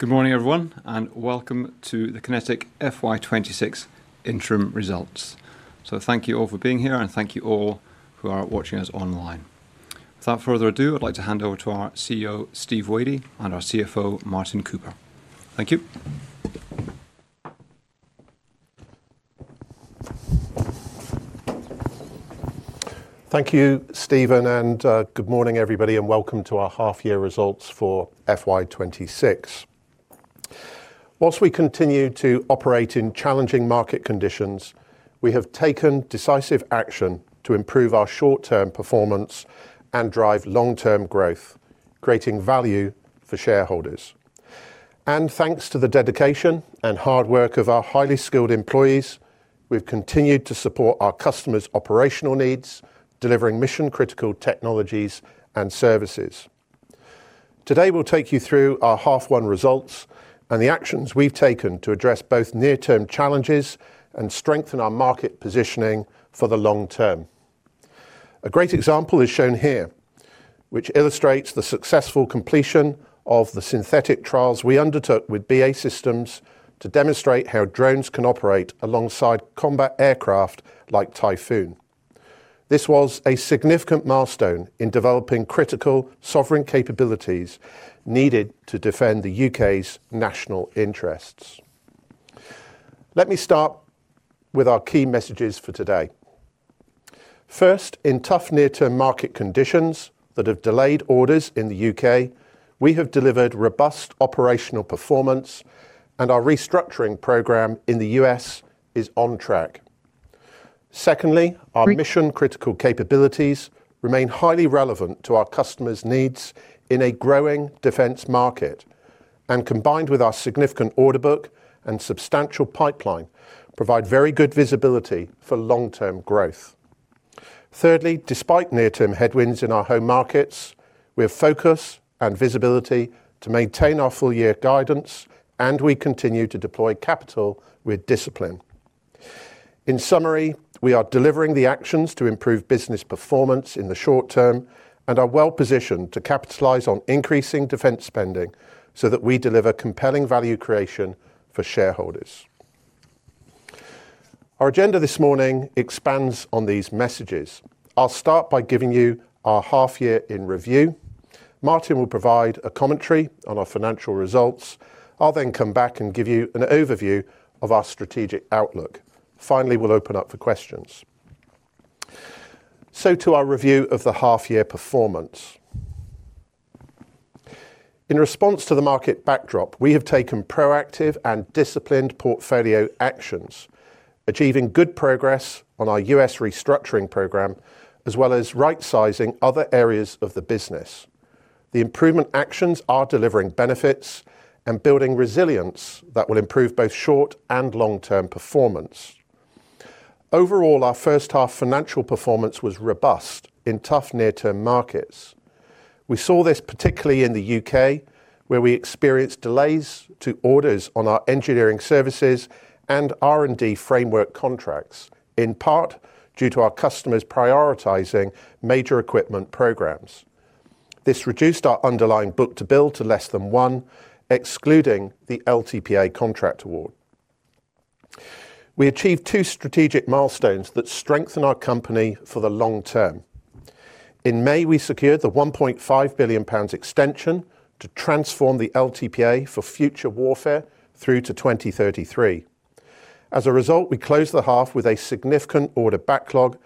Good morning, everyone, and welcome to the QinetiQ FY26 interim results. Thank you all for being here, and thank you all who are watching us online. Without further ado, I'd like to hand over to our CEO, Steve Wadey, and our CFO, Martin Cooper. Thank you. Thank you, Stephen, and good morning, everybody, and welcome to our half-year results for FY26. Whilst we continue to operate in challenging market conditions, we have taken decisive action to improve our short-term performance and drive long-term growth, creating value for shareholders. Thanks to the dedication and hard work of our highly skilled employees, we've continued to support our customers' operational needs, delivering mission-critical technologies and services. Today, we'll take you through our half-one results and the actions we've taken to address both near-term challenges and strengthen our market positioning for the long term. A great example is shown here, which illustrates the successful completion of the synthetic trials we undertook with BAE Systems to demonstrate how drones can operate alongside combat aircraft like Typhoon. This was a significant milestone in developing critical sovereign capabilities needed to defend the U.K.'s national interests. Let me start with our key messages for today. First, in tough near-term market conditions that have delayed orders in the U.K., we have delivered robust operational performance, and our restructuring program in the U.S. is on track. Secondly, our mission-critical capabilities remain highly relevant to our customers' needs in a growing defense market, and combined with our significant order book and substantial pipeline, provide very good visibility for long-term growth. Thirdly, despite near-term headwinds in our home markets, we have focus and visibility to maintain our full-year guidance, and we continue to deploy capital with discipline. In summary, we are delivering the actions to improve business performance in the short term and are well positioned to capitalize on increasing defense spending so that we deliver compelling value creation for shareholders. Our agenda this morning expands on these messages. I'll start by giving you our half-year in review. Martin will provide a commentary on our financial results. I'll then come back and give you an overview of our strategic outlook. Finally, we'll open up for questions. To our review of the half-year performance. In response to the market backdrop, we have taken proactive and disciplined portfolio actions, achieving good progress on our US restructuring program as well as right-sizing other areas of the business. The improvement actions are delivering benefits and building resilience that will improve both short and long-term performance. Overall, our first-half financial performance was robust in tough near-term markets. We saw this particularly in the U.K., where we experienced delays to orders on our engineering services and R&D framework contracts, in part due to our customers prioritizing major equipment programs. This reduced our underlying book to bill to less than one, excluding the LTPA contract award. We achieved two strategic milestones that strengthen our company for the long term. In May, we secured the 1.5 billion pounds extension to transform the LTPA for future warfare through to 2033. As a result, we closed the half with a significant order backlog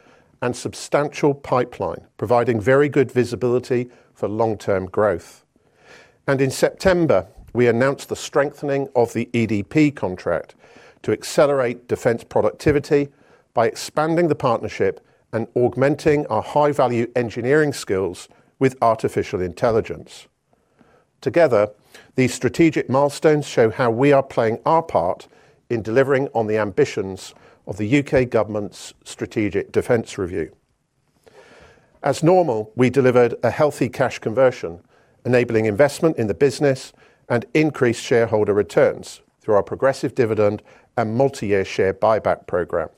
and substantial pipeline, providing very good visibility for long-term growth. In September, we announced the strengthening of the EDP contract to accelerate defense productivity by expanding the partnership and augmenting our high-value engineering skills with artificial intelligence. Together, these strategic milestones show how we are playing our part in delivering on the ambitions of the U.K. government's strategic defense review. As normal, we delivered a healthy cash conversion, enabling investment in the business and increased shareholder returns through our progressive dividend and multi-year share buyback program.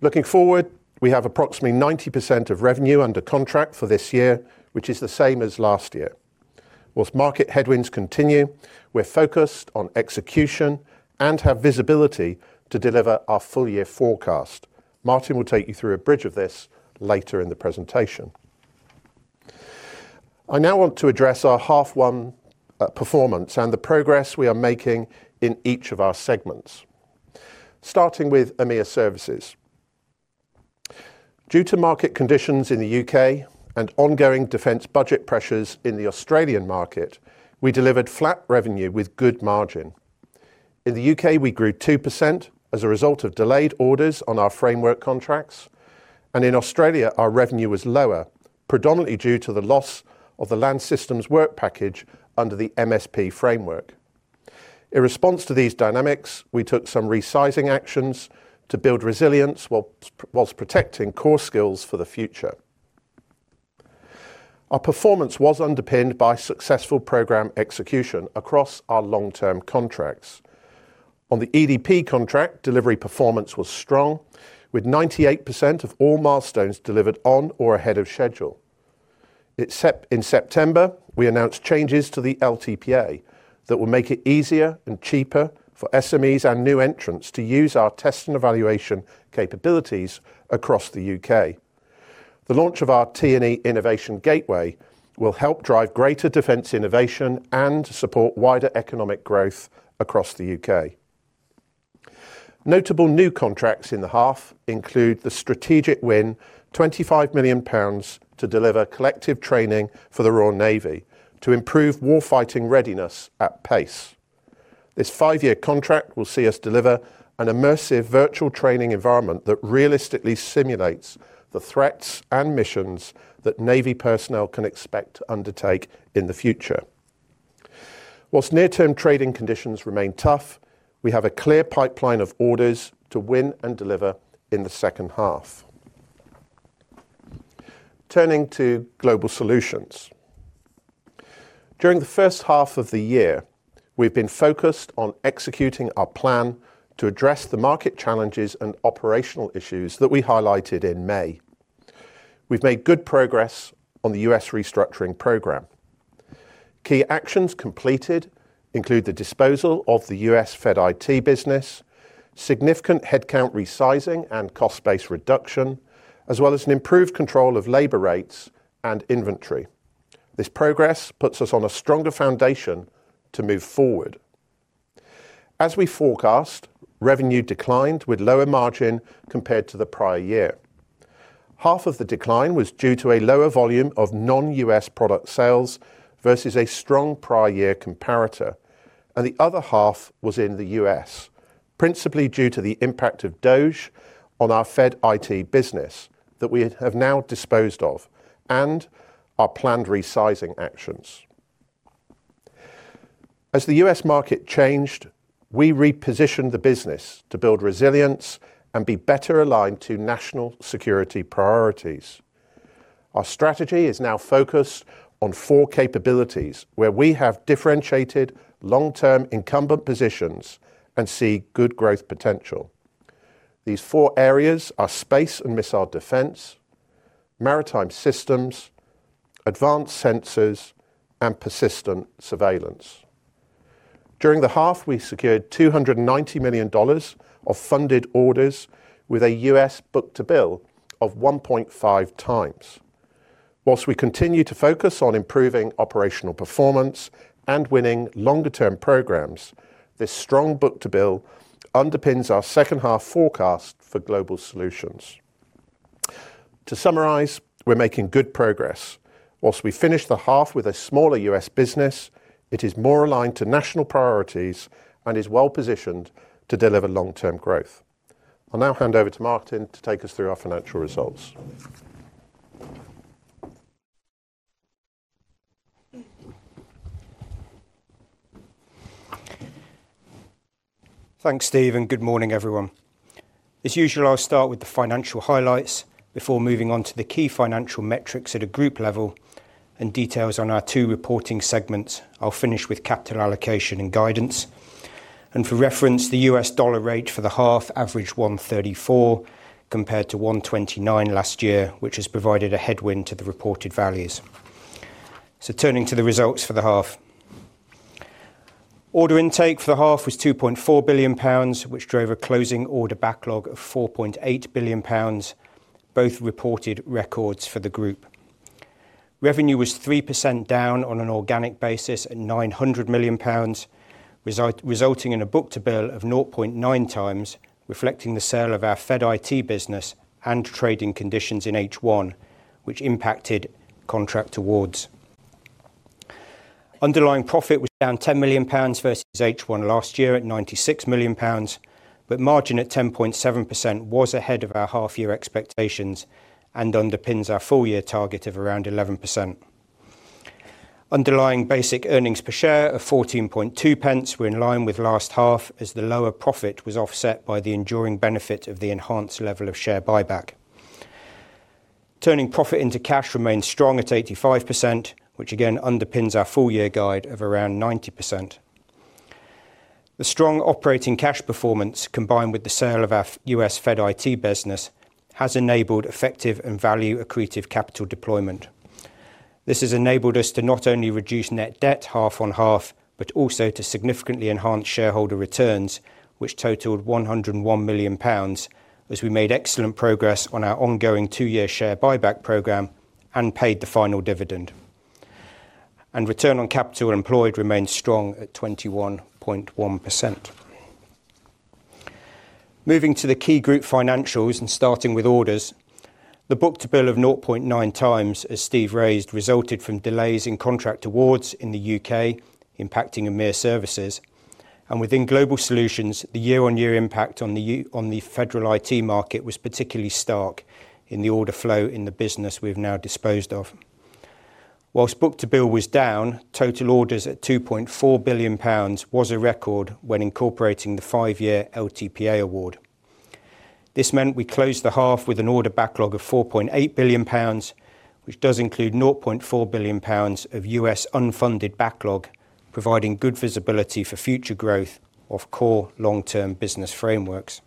Looking forward, we have approximately 90% of revenue under contract for this year, which is the same as last year. Whilst market headwinds continue, we're focused on execution and have visibility to deliver our full-year forecast. Martin will take you through a bridge of this later in the presentation. I now want to address our half-one performance and the progress we are making in each of our segments, starting with EMEA services. Due to market conditions in the U.K. and ongoing defense budget pressures in the Australian market, we delivered flat revenue with good margin. In the U.K., we grew 2% as a result of delayed orders on our framework contracts, and in Australia, our revenue was lower, predominantly due to the loss of the Land Systems Work Package under the MSP framework. In response to these dynamics, we took some resizing actions to build resilience whilst protecting core skills for the future. Our performance was underpinned by successful program execution across our long-term contracts. On the EDP contract, delivery performance was strong, with 98% of all milestones delivered on or ahead of schedule. In September, we announced changes to the LTPA that will make it easier and cheaper for SMEs and new entrants to use our test and evaluation capabilities across the U.K. The launch of our T&E Innovation Gateway will help drive greater defense innovation and support wider economic growth across the U.K. Notable new contracts in the half include the strategic win, 25 million pounds, to deliver collective training for the Royal Navy to improve warfighting readiness at pace. This five-year contract will see us deliver an immersive virtual training environment that realistically simulates the threats and missions that Navy personnel can expect to undertake in the future. Whilst near-term trading conditions remain tough, we have a clear pipeline of orders to win and deliver in the second half. Turning to global solutions. During the first half of the year, we've been focused on executing our plan to address the market challenges and operational issues that we highlighted in May. We've made good progress on the U.S. restructuring program. Key actions completed include the disposal of the US Fed IT business, significant headcount resizing and cost-base reduction, as well as an improved control of labor rates and inventory. This progress puts us on a stronger foundation to move forward. As we forecast, revenue declined with lower margin compared to the prior year. Half of the decline was due to a lower volume of non-U.S. product sales versus a strong prior-year comparator, and the other half was in the U.S., principally due to the impact of DoD on our Fed IT business that we have now disposed of and our planned resizing actions. As the U.S. market changed, we repositioned the business to build resilience and be better aligned to national security priorities. Our strategy is now focused on four capabilities where we have differentiated long-term incumbent positions and see good growth potential. These four areas are space and missile defense, maritime systems, advanced sensors, and persistent surveillance. During the half, we secured $290 million of funded orders with a U.S. book to bill of 1.5x. Whilst we continue to focus on improving operational performance and winning longer-term programs, this strong book to bill underpins our second-half forecast for global solutions. To summarize, we're making good progress. Whilst we finished the half with a smaller U.S. business, it is more aligned to national priorities and is well positioned to deliver long-term growth. I'll now hand over to Martin to take us through our financial results. Thanks, Steve, and good morning, everyone. As usual, I'll start with the financial highlights before moving on to the key financial metrics at a group level and details on our two reporting segments. I'll finish with capital allocation and guidance. For reference, the US dollar rate for the half averaged 1.34 compared to 1.29 last year, which has provided a headwind to the reported values. Turning to the results for the half. Order intake for the half was 2.4 billion pounds, which drove a closing order backlog of 4.8 billion pounds, both reported records for the group. Revenue was 3% down on an organic basis at 900 million pounds, resulting in a book to bill of 0.9 times, reflecting the sale of our Fed IT business and trading conditions in H1, which impacted contract awards. Underlying profit was down 10 million pounds versus H1 last year at 96 million pounds, but margin at 10.7% was ahead of our half-year expectations and underpins our full-year target of around 11%. Underlying basic earnings per share of 14.2 pence were in line with last half as the lower profit was offset by the enduring benefit of the enhanced level of share buyback. Turning profit into cash remained strong at 85%, which again underpins our full-year guide of around 90%. The strong operating cash performance, combined with the sale of our U.S. Fed IT business, has enabled effective and value-accretive capital deployment. This has enabled us to not only reduce net debt half on half, but also to significantly enhance shareholder returns, which totaled 101 million pounds, as we made excellent progress on our ongoing two-year share buyback program and paid the final dividend. Return on capital employed remained strong at 21.1%. Moving to the key group financials and starting with orders, the book to bill of 0.9x, as Steve raised, resulted from delays in contract awards in the U.K. impacting EMEA services. Within global solutions, the year-on-year impact on the federal IT market was particularly stark in the order flow in the business we've now disposed of. Whilst book to bill was down, total orders at 2.4 billion pounds was a record when incorporating the five-year LTPA award. This meant we closed the half with an order backlog of 4.8 billion pounds, which does include 0.4 billion pounds of U.S. unfunded backlog, providing good visibility for future growth of core long-term business frameworks.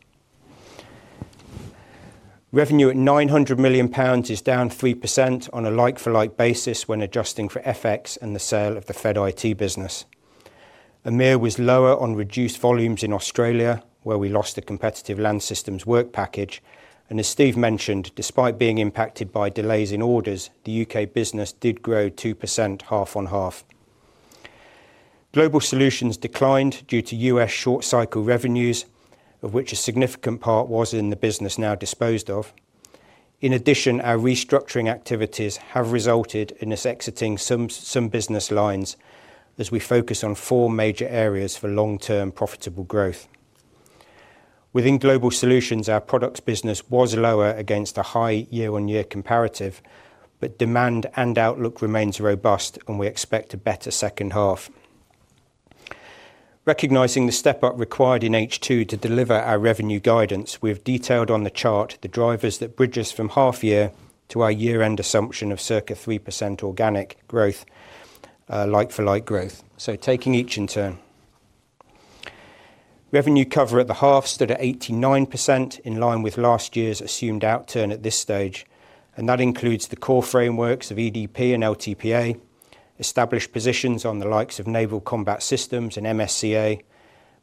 Revenue at 900 million pounds is down 3% on a like-for-like basis when adjusting for FX and the sale of the Fed IT business. EMEA was lower on reduced volumes in Australia, where we lost the competitive Land Systems Work Package. As Steve mentioned, despite being impacted by delays in orders, the U.K. business did grow 2% half on half. Global solutions declined due to U.S. short-cycle revenues, of which a significant part was in the business now disposed of. In addition, our restructuring activities have resulted in us exiting some business lines as we focus on four major areas for long-term profitable growth. Within global solutions, our products business was lower against a high year-on-year comparative, but demand and outlook remains robust, and we expect a better second half. Recognizing the step-up required in H2 to deliver our revenue guidance, we have detailed on the chart the drivers that bridge us from half-year to our year-end assumption of circa 3% organic growth, like-for-like growth. Taking each in turn. Revenue cover at the half stood at 89%, in line with last year's assumed outturn at this stage. That includes the core frameworks of EDP and LTPA, established positions on the likes of naval combat systems and MSCA,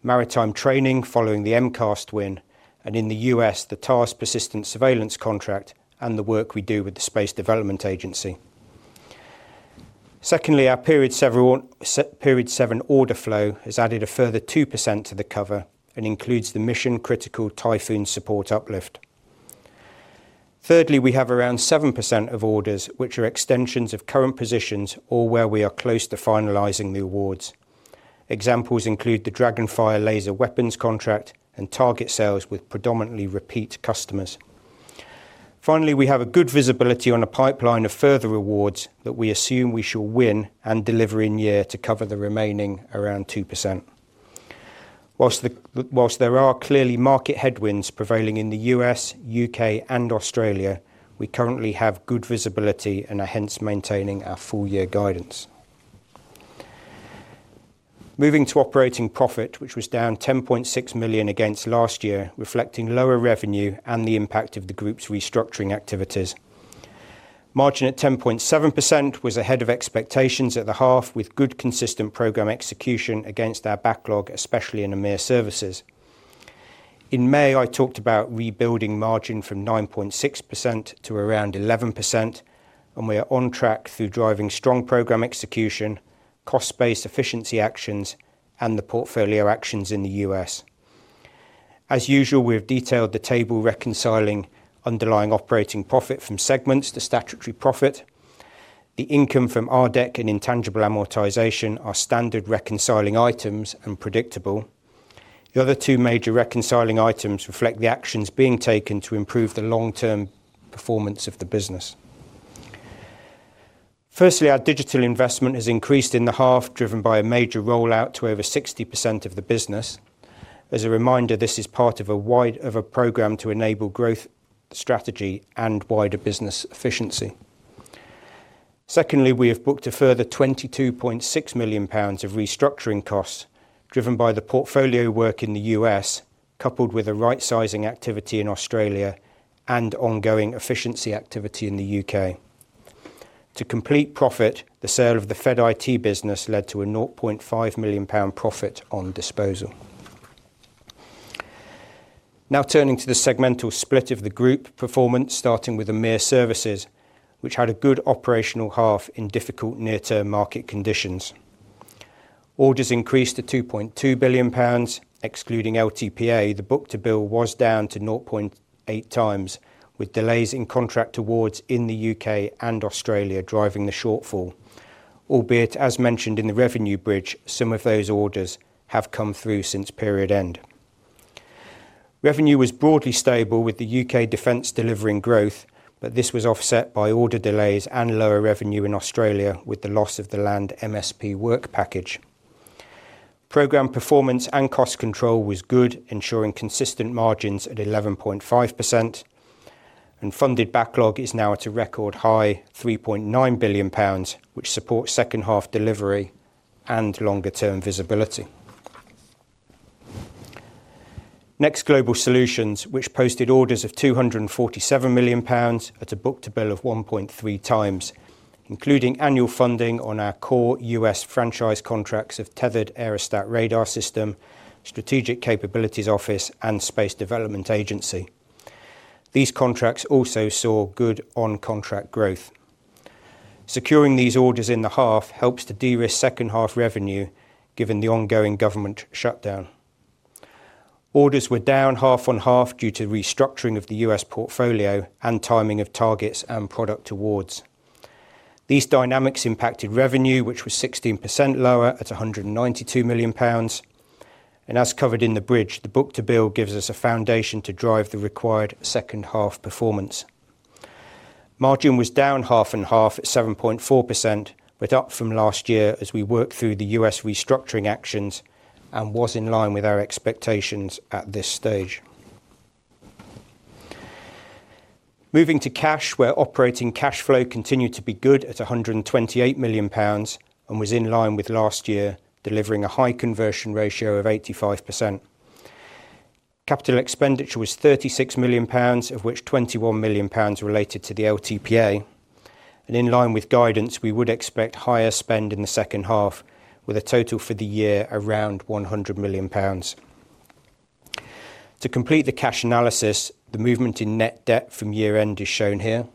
maritime training following the MCAST win, and in the U.S., the TARS persistent surveillance contract and the work we do with the Space Development Agency. Secondly, our period seven order flow has added a further 2% to the cover and includes the mission-critical Typhoon Support Uplift. Thirdly, we have around 7% of orders, which are extensions of current positions or where we are close to finalizing the awards. Examples include the Dragonfire laser weapons contract and target sales with predominantly repeat customers. Finally, we have good visibility on a pipeline of further awards that we assume we shall win and deliver in year to cover the remaining around 2%. Whilst there are clearly market headwinds prevailing in the U.S., U.K., and Australia, we currently have good visibility and are hence maintaining our full-year guidance. Moving to operating profit, which was down 10.6 million against last year, reflecting lower revenue and the impact of the group's restructuring activities. Margin at 10.7% was ahead of expectations at the half, with good consistent program execution against our backlog, especially in EMEA services. In May, I talked about rebuilding margin from 9.6% to around 11%, and we are on track through driving strong program execution, cost-based efficiency actions, and the portfolio actions in the U.S. As usual, we have detailed the table reconciling underlying operating profit from segments to statutory profit. The income from RDEC and intangible amortization are standard reconciling items and predictable. The other two major reconciling items reflect the actions being taken to improve the long-term performance of the business. Firstly, our digital investment has increased in the half, driven by a major rollout to over 60% of the business. As a reminder, this is part of a wider program to enable growth strategy and wider business efficiency. Secondly, we have booked a further 22.6 million pounds of restructuring costs, driven by the portfolio work in the U.S., coupled with a right-sizing activity in Australia and ongoing efficiency activity in the U.K. To complete profit, the sale of the Fed IT business led to a 0.5 million pound profit on disposal. Now turning to the segmental split of the group performance, starting with EMEA services, which had a good operational half in difficult near-term market conditions. Orders increased to 2.2 billion pounds, excluding LTPA. The book to bill was down to 0.8 times, with delays in contract awards in the U.K. and Australia driving the shortfall, albeit, as mentioned in the revenue bridge, some of those orders have come through since period end. Revenue was broadly stable, with the U.K. defense delivering growth, but this was offset by order delays and lower revenue in Australia with the loss of the land MSP work package. Program performance and cost control was good, ensuring consistent margins at 11.5%, and funded backlog is now at a record high, 3.9 billion pounds, which supports second-half delivery and longer-term visibility. Next, global solutions, which posted orders of 247 million pounds at a book to bill of 1.3x, including annual funding on our core U.S. franchise contracts of Tethered Aerostat Radar System, Strategic Capabilities Office, and Space Development Agency. These contracts also saw good on-contract growth. Securing these orders in the half helps to de-risk second-half revenue, given the ongoing government shutdown. Orders were down half on half due to restructuring of the U.S. portfolio and timing of targets and product awards. These dynamics impacted revenue, which was 16% lower at 192 million pounds. As covered in the bridge, the book to bill gives us a foundation to drive the required second-half performance. Margin was down half on half at 7.4%, but up from last year as we work through the U.S. restructuring actions and was in line with our expectations at this stage. Moving to cash, where operating cash flow continued to be good at 128 million pounds and was in line with last year, delivering a high conversion ratio of 85%. Capital expenditure was 36 million pounds, of which 21 million pounds related to the LTPA. In line with guidance, we would expect higher spend in the second half, with a total for the year around 100 million pounds. To complete the cash analysis, the movement in net debt from year-end is shown here.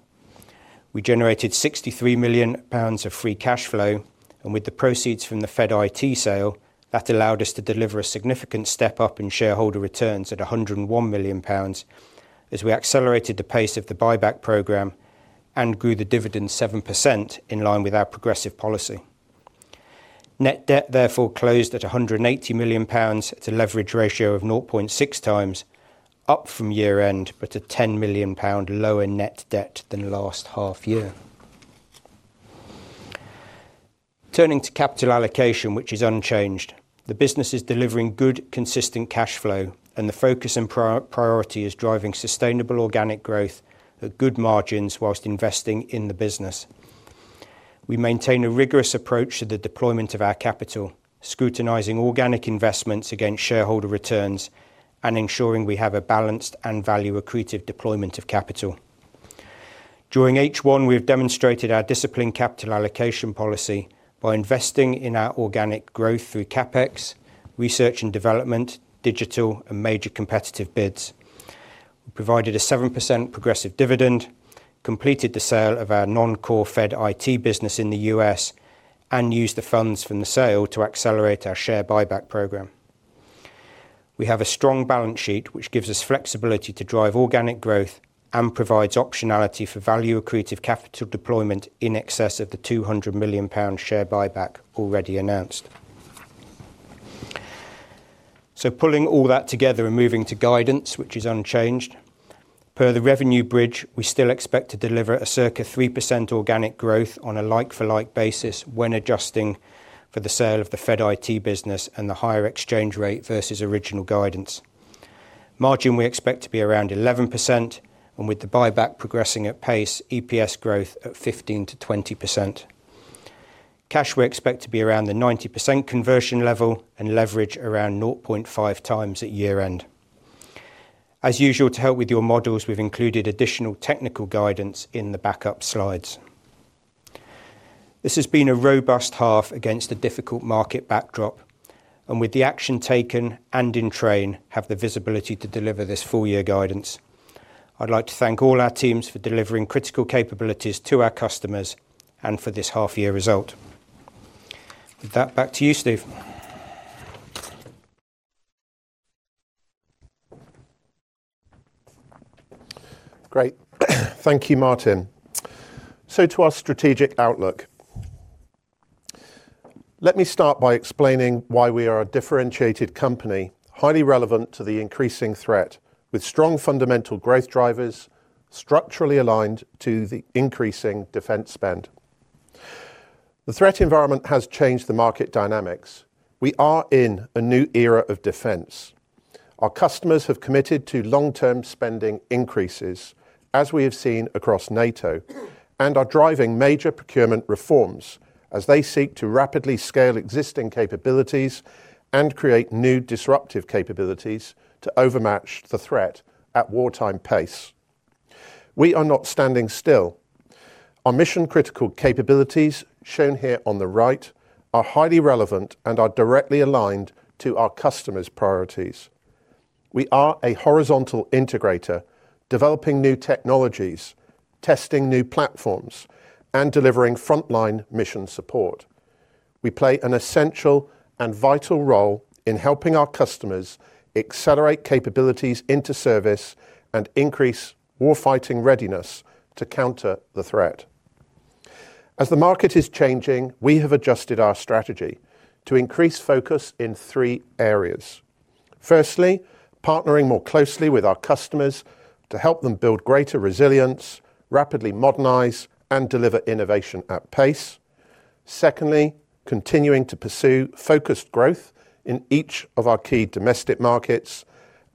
We generated 63 million pounds of free cash flow, and with the proceeds from the Fed IT sale, that allowed us to deliver a significant step-up in shareholder returns at 101 million pounds as we accelerated the pace of the buyback program and grew the dividend 7% in line with our progressive policy. Net debt therefore closed at 180 million pounds at a leverage ratio of 0.6 times, up from year-end, but a 10 million pound lower net debt than last half-year. Turning to capital allocation, which is unchanged, the business is delivering good consistent cash flow, and the focus and priority is driving sustainable organic growth at good margins whilst investing in the business. We maintain a rigorous approach to the deployment of our capital, scrutinizing organic investments against shareholder returns and ensuring we have a balanced and value-accretive deployment of capital. During H1, we have demonstrated our disciplined capital allocation policy by investing in our organic growth through CapEx, research and development, digital, and major competitive bids. We provided a 7% progressive dividend, completed the sale of our non-core Fed IT business in the US, and used the funds from the sale to accelerate our share buyback program. We have a strong balance sheet, which gives us flexibility to drive organic growth and provides optionality for value-accretive capital deployment in excess of the 200 million pound share buyback already announced. Pulling all that together and moving to guidance, which is unchanged. Per the revenue bridge, we still expect to deliver a circa 3% organic growth on a like-for-like basis when adjusting for the sale of the Fed IT business and the higher exchange rate versus original guidance. Margin we expect to be around 11%, and with the buyback progressing at pace, EPS growth at 15%-20%. Cash we expect to be around the 90% conversion level and leverage around 0.5x at year-end. As usual, to help with your models, we've included additional technical guidance in the backup slides. This has been a robust half against a difficult market backdrop, and with the action taken and in train, have the visibility to deliver this full-year guidance. I'd like to thank all our teams for delivering critical capabilities to our customers and for this half-year result. With that, back to you, Steve. Great. Thank you, Martin. To our strategic outlook, let me start by explaining why we are a differentiated company, highly relevant to the increasing threat, with strong fundamental growth drivers, structurally aligned to the increasing defense spend. The threat environment has changed the market dynamics. We are in a new era of defense. Our customers have committed to long-term spending increases, as we have seen across NATO, and are driving major procurement reforms as they seek to rapidly scale existing capabilities and create new disruptive capabilities to overmatch the threat at wartime pace. We are not standing still. Our mission-critical capabilities, shown here on the right, are highly relevant and are directly aligned to our customers' priorities. We are a horizontal integrator, developing new technologies, testing new platforms, and delivering frontline mission support. We play an essential and vital role in helping our customers accelerate capabilities into service and increase warfighting readiness to counter the threat. As the market is changing, we have adjusted our strategy to increase focus in three areas. Firstly, partnering more closely with our customers to help them build greater resilience, rapidly modernize, and deliver innovation at pace. Secondly, continuing to pursue focused growth in each of our key domestic markets.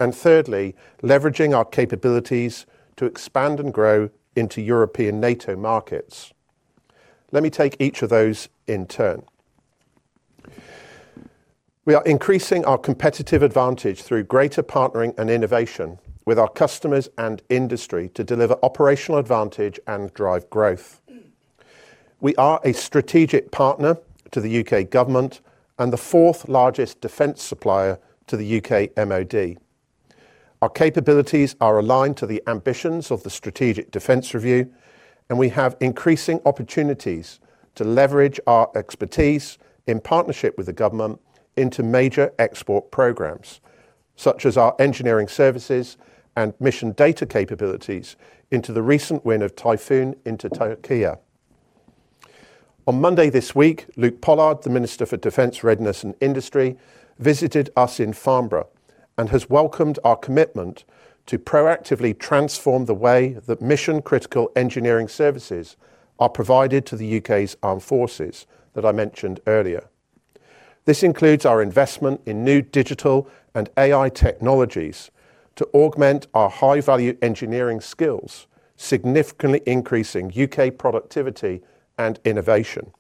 Thirdly, leveraging our capabilities to expand and grow into European NATO markets. Let me take each of those in turn. We are increasing our competitive advantage through greater partnering and innovation with our customers and industry to deliver operational advantage and drive growth. We are a strategic partner to the U.K. government and the fourth largest defense supplier to the U.K. MoD. Our capabilities are aligned to the ambitions of the strategic defense review, and we have increasing opportunities to leverage our expertise in partnership with the government into major export programs, such as our engineering services and mission data capabilities into the recent win of Typhoon into Türkiye. On Monday this week, Luke Pollard, the Minister for Defense Readiness and Industry, visited us in Farnborough and has welcomed our commitment to proactively transform the way that mission-critical engineering services are provided to the U.K.'s armed forces that I mentioned earlier. This includes our investment in new digital and AI technologies to augment our high-value engineering skills, significantly increasing U.K. productivity and innovation.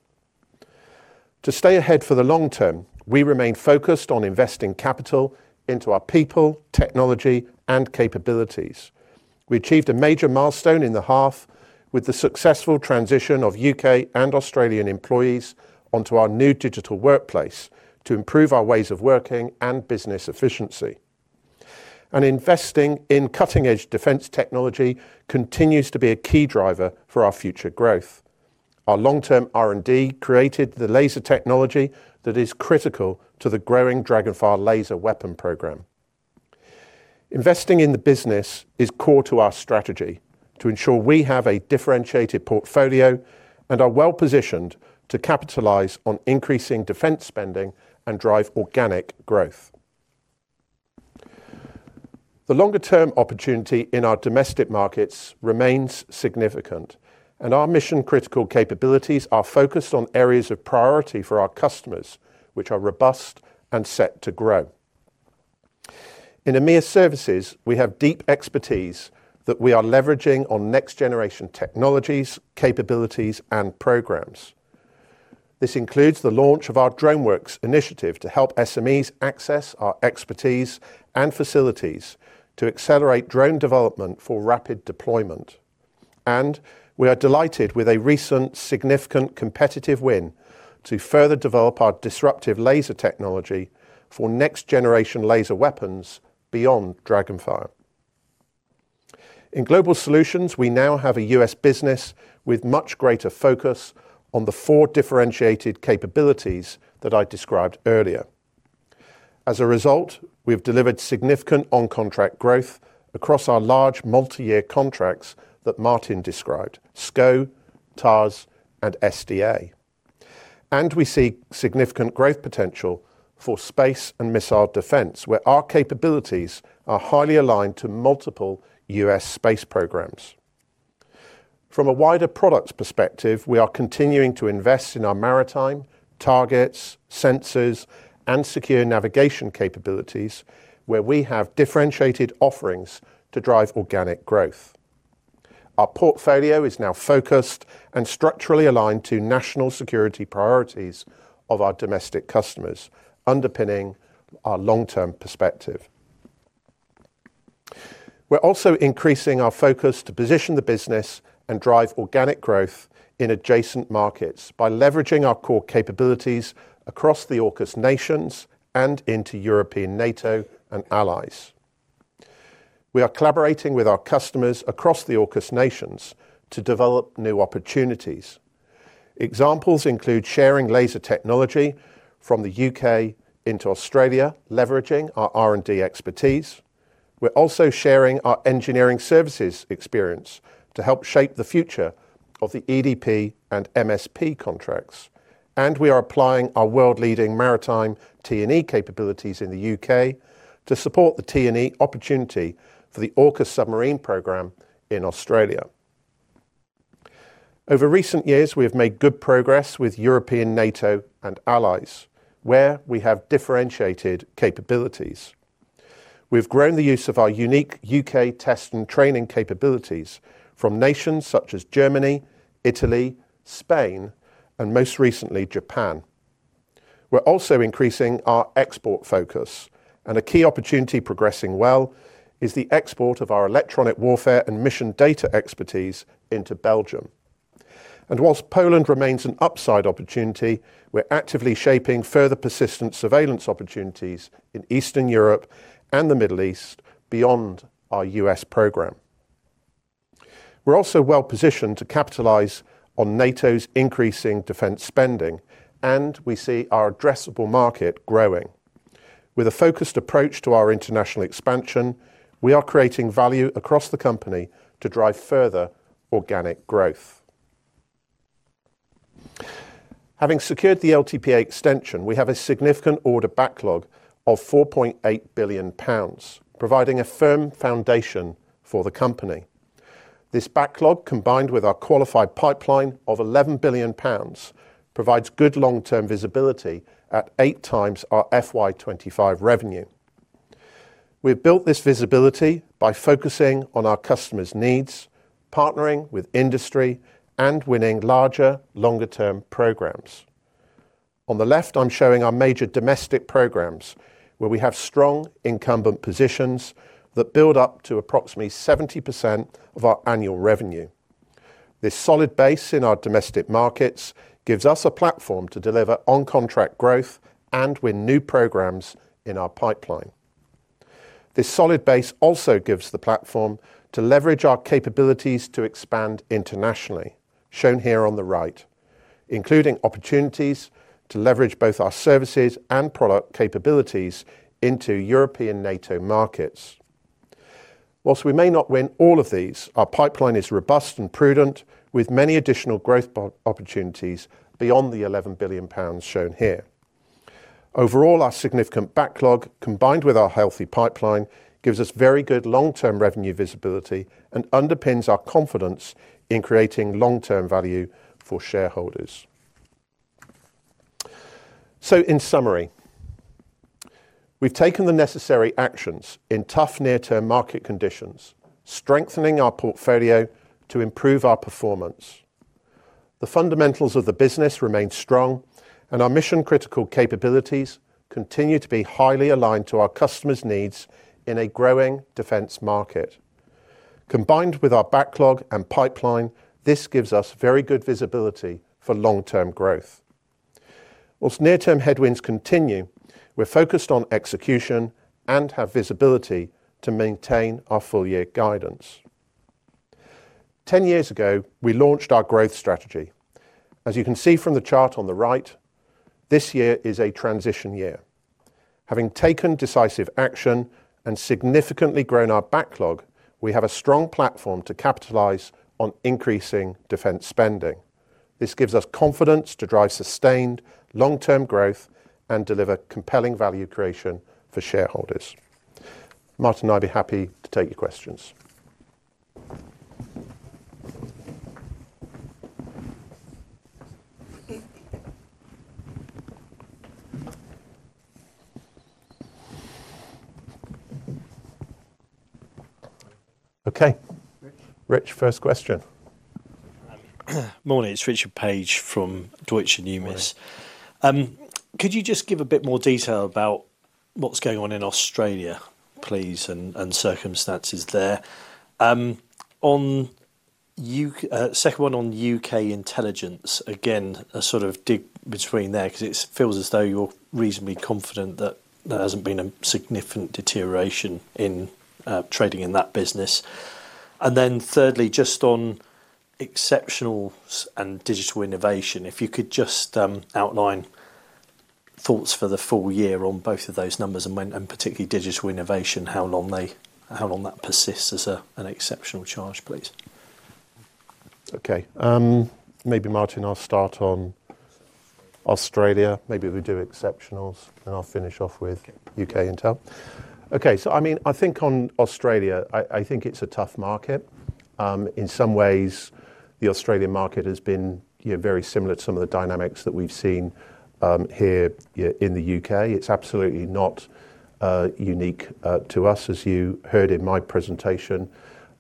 To stay ahead for the long term, we remain focused on investing capital into our people, technology, and capabilities. We achieved a major milestone in the half with the successful transition of U.K. and Australian employees onto our new digital workplace to improve our ways of working and business efficiency. Investing in cutting-edge defense technology continues to be a key driver for our future growth. Our long-term R&D created the laser technology that is critical to the growing Dragonfire Laser Weapon Program. Investing in the business is core to our strategy to ensure we have a differentiated portfolio and are well positioned to capitalize on increasing defense spending and drive organic growth. The longer-term opportunity in our domestic markets remains significant, and our mission-critical capabilities are focused on areas of priority for our customers, which are robust and set to grow. In EMEA services, we have deep expertise that we are leveraging on next-generation technologies, capabilities, and programs. This includes the launch of our DroneWorks initiative to help SMEs access our expertise and facilities to accelerate drone development for rapid deployment. We are delighted with a recent significant competitive win to further develop our disruptive laser technology for next-generation laser weapons beyond Dragonfire. In global solutions, we now have a U.S. business with much greater focus on the four differentiated capabilities that I described earlier. As a result, we have delivered significant on-contract growth across our large multi-year contracts that Martin described: SCO, TARS, and SDA. We see significant growth potential for space and missile defense, where our capabilities are highly aligned to multiple U.S. space programs. From a wider product perspective, we are continuing to invest in our maritime, targets, sensors, and secure navigation capabilities, where we have differentiated offerings to drive organic growth. Our portfolio is now focused and structurally aligned to national security priorities of our domestic customers, underpinning our long-term perspective. We're also increasing our focus to position the business and drive organic growth in adjacent markets by leveraging our core capabilities across the AUKUS nations and into European NATO and allies. We are collaborating with our customers across the AUKUS nations to develop new opportunities. Examples include sharing laser technology from the U.K. into Australia, leveraging our R&D expertise. We're also sharing our engineering services experience to help shape the future of the EDP and MSP contracts. We are applying our world-leading maritime T&E capabilities in the U.K. to support the T&E opportunity for the AUKUS submarine program in Australia. Over recent years, we have made good progress with European NATO and allies, where we have differentiated capabilities. We've grown the use of our unique U.K. test and training capabilities from nations such as Germany, Italy, Spain, and most recently, Japan. We're also increasing our export focus, and a key opportunity progressing well is the export of our electronic warfare and mission data expertise into Belgium. Whilst Poland remains an upside opportunity, we're actively shaping further persistent surveillance opportunities in Eastern Europe and the Middle East beyond our U.S. program. We're also well positioned to capitalize on NATO's increasing defense spending, and we see our addressable market growing. With a focused approach to our international expansion, we are creating value across the company to drive further organic growth. Having secured the LTPA extension, we have a significant order backlog of 4.8 billion pounds, providing a firm foundation for the company. This backlog, combined with our qualified pipeline of 11 billion pounds, provides good long-term visibility at eight times our FY2025 revenue. We've built this visibility by focusing on our customers' needs, partnering with industry, and winning larger, longer-term programs. On the left, I'm showing our major domestic programs, where we have strong incumbent positions that build up to approximately 70% of our annual revenue. This solid base in our domestic markets gives us a platform to deliver on-contract growth and win new programs in our pipeline. This solid base also gives the platform to leverage our capabilities to expand internationally, shown here on the right, including opportunities to leverage both our services and product capabilities into European NATO markets. Whilst we may not win all of these, our pipeline is robust and prudent, with many additional growth opportunities beyond the 11 billion pounds shown here. Overall, our significant backlog, combined with our healthy pipeline, gives us very good long-term revenue visibility and underpins our confidence in creating long-term value for shareholders. In summary, we've taken the necessary actions in tough near-term market conditions, strengthening our portfolio to improve our performance. The fundamentals of the business remain strong, and our mission-critical capabilities continue to be highly aligned to our customers' needs in a growing defense market. Combined with our backlog and pipeline, this gives us very good visibility for long-term growth. Whilst near-term headwinds continue, we're focused on execution and have visibility to maintain our full-year guidance. Ten years ago, we launched our growth strategy. As you can see from the chart on the right, this year is a transition year. Having taken decisive action and significantly grown our backlog, we have a strong platform to capitalize on increasing defense spending. This gives us confidence to drive sustained long-term growth and deliver compelling value creation for shareholders. Martin and I would be happy to take your questions. Okay. Rich, first question. Morning. It's Richard Paige from Deutsche Numis. Could you just give a bit more detail about what's going on in Australia, please, and circumstances there? Second one on U.K. intelligence. Again, a sort of dig between there because it feels as though you're reasonably confident that there hasn't been a significant deterioration in trading in that business. And then thirdly, just on exceptional and digital innovation, if you could just outline thoughts for the full year on both of those numbers and particularly digital innovation, how long that persists as an exceptional charge, please. Okay. Maybe Martin, I'll start on Australia. Maybe we do exceptionals, and I'll finish off with U.K. Intel. Okay. I mean, I think on Australia, I think it's a tough market. In some ways, the Australian market has been very similar to some of the dynamics that we've seen here in the U.K. It's absolutely not unique to us, as you heard in my presentation.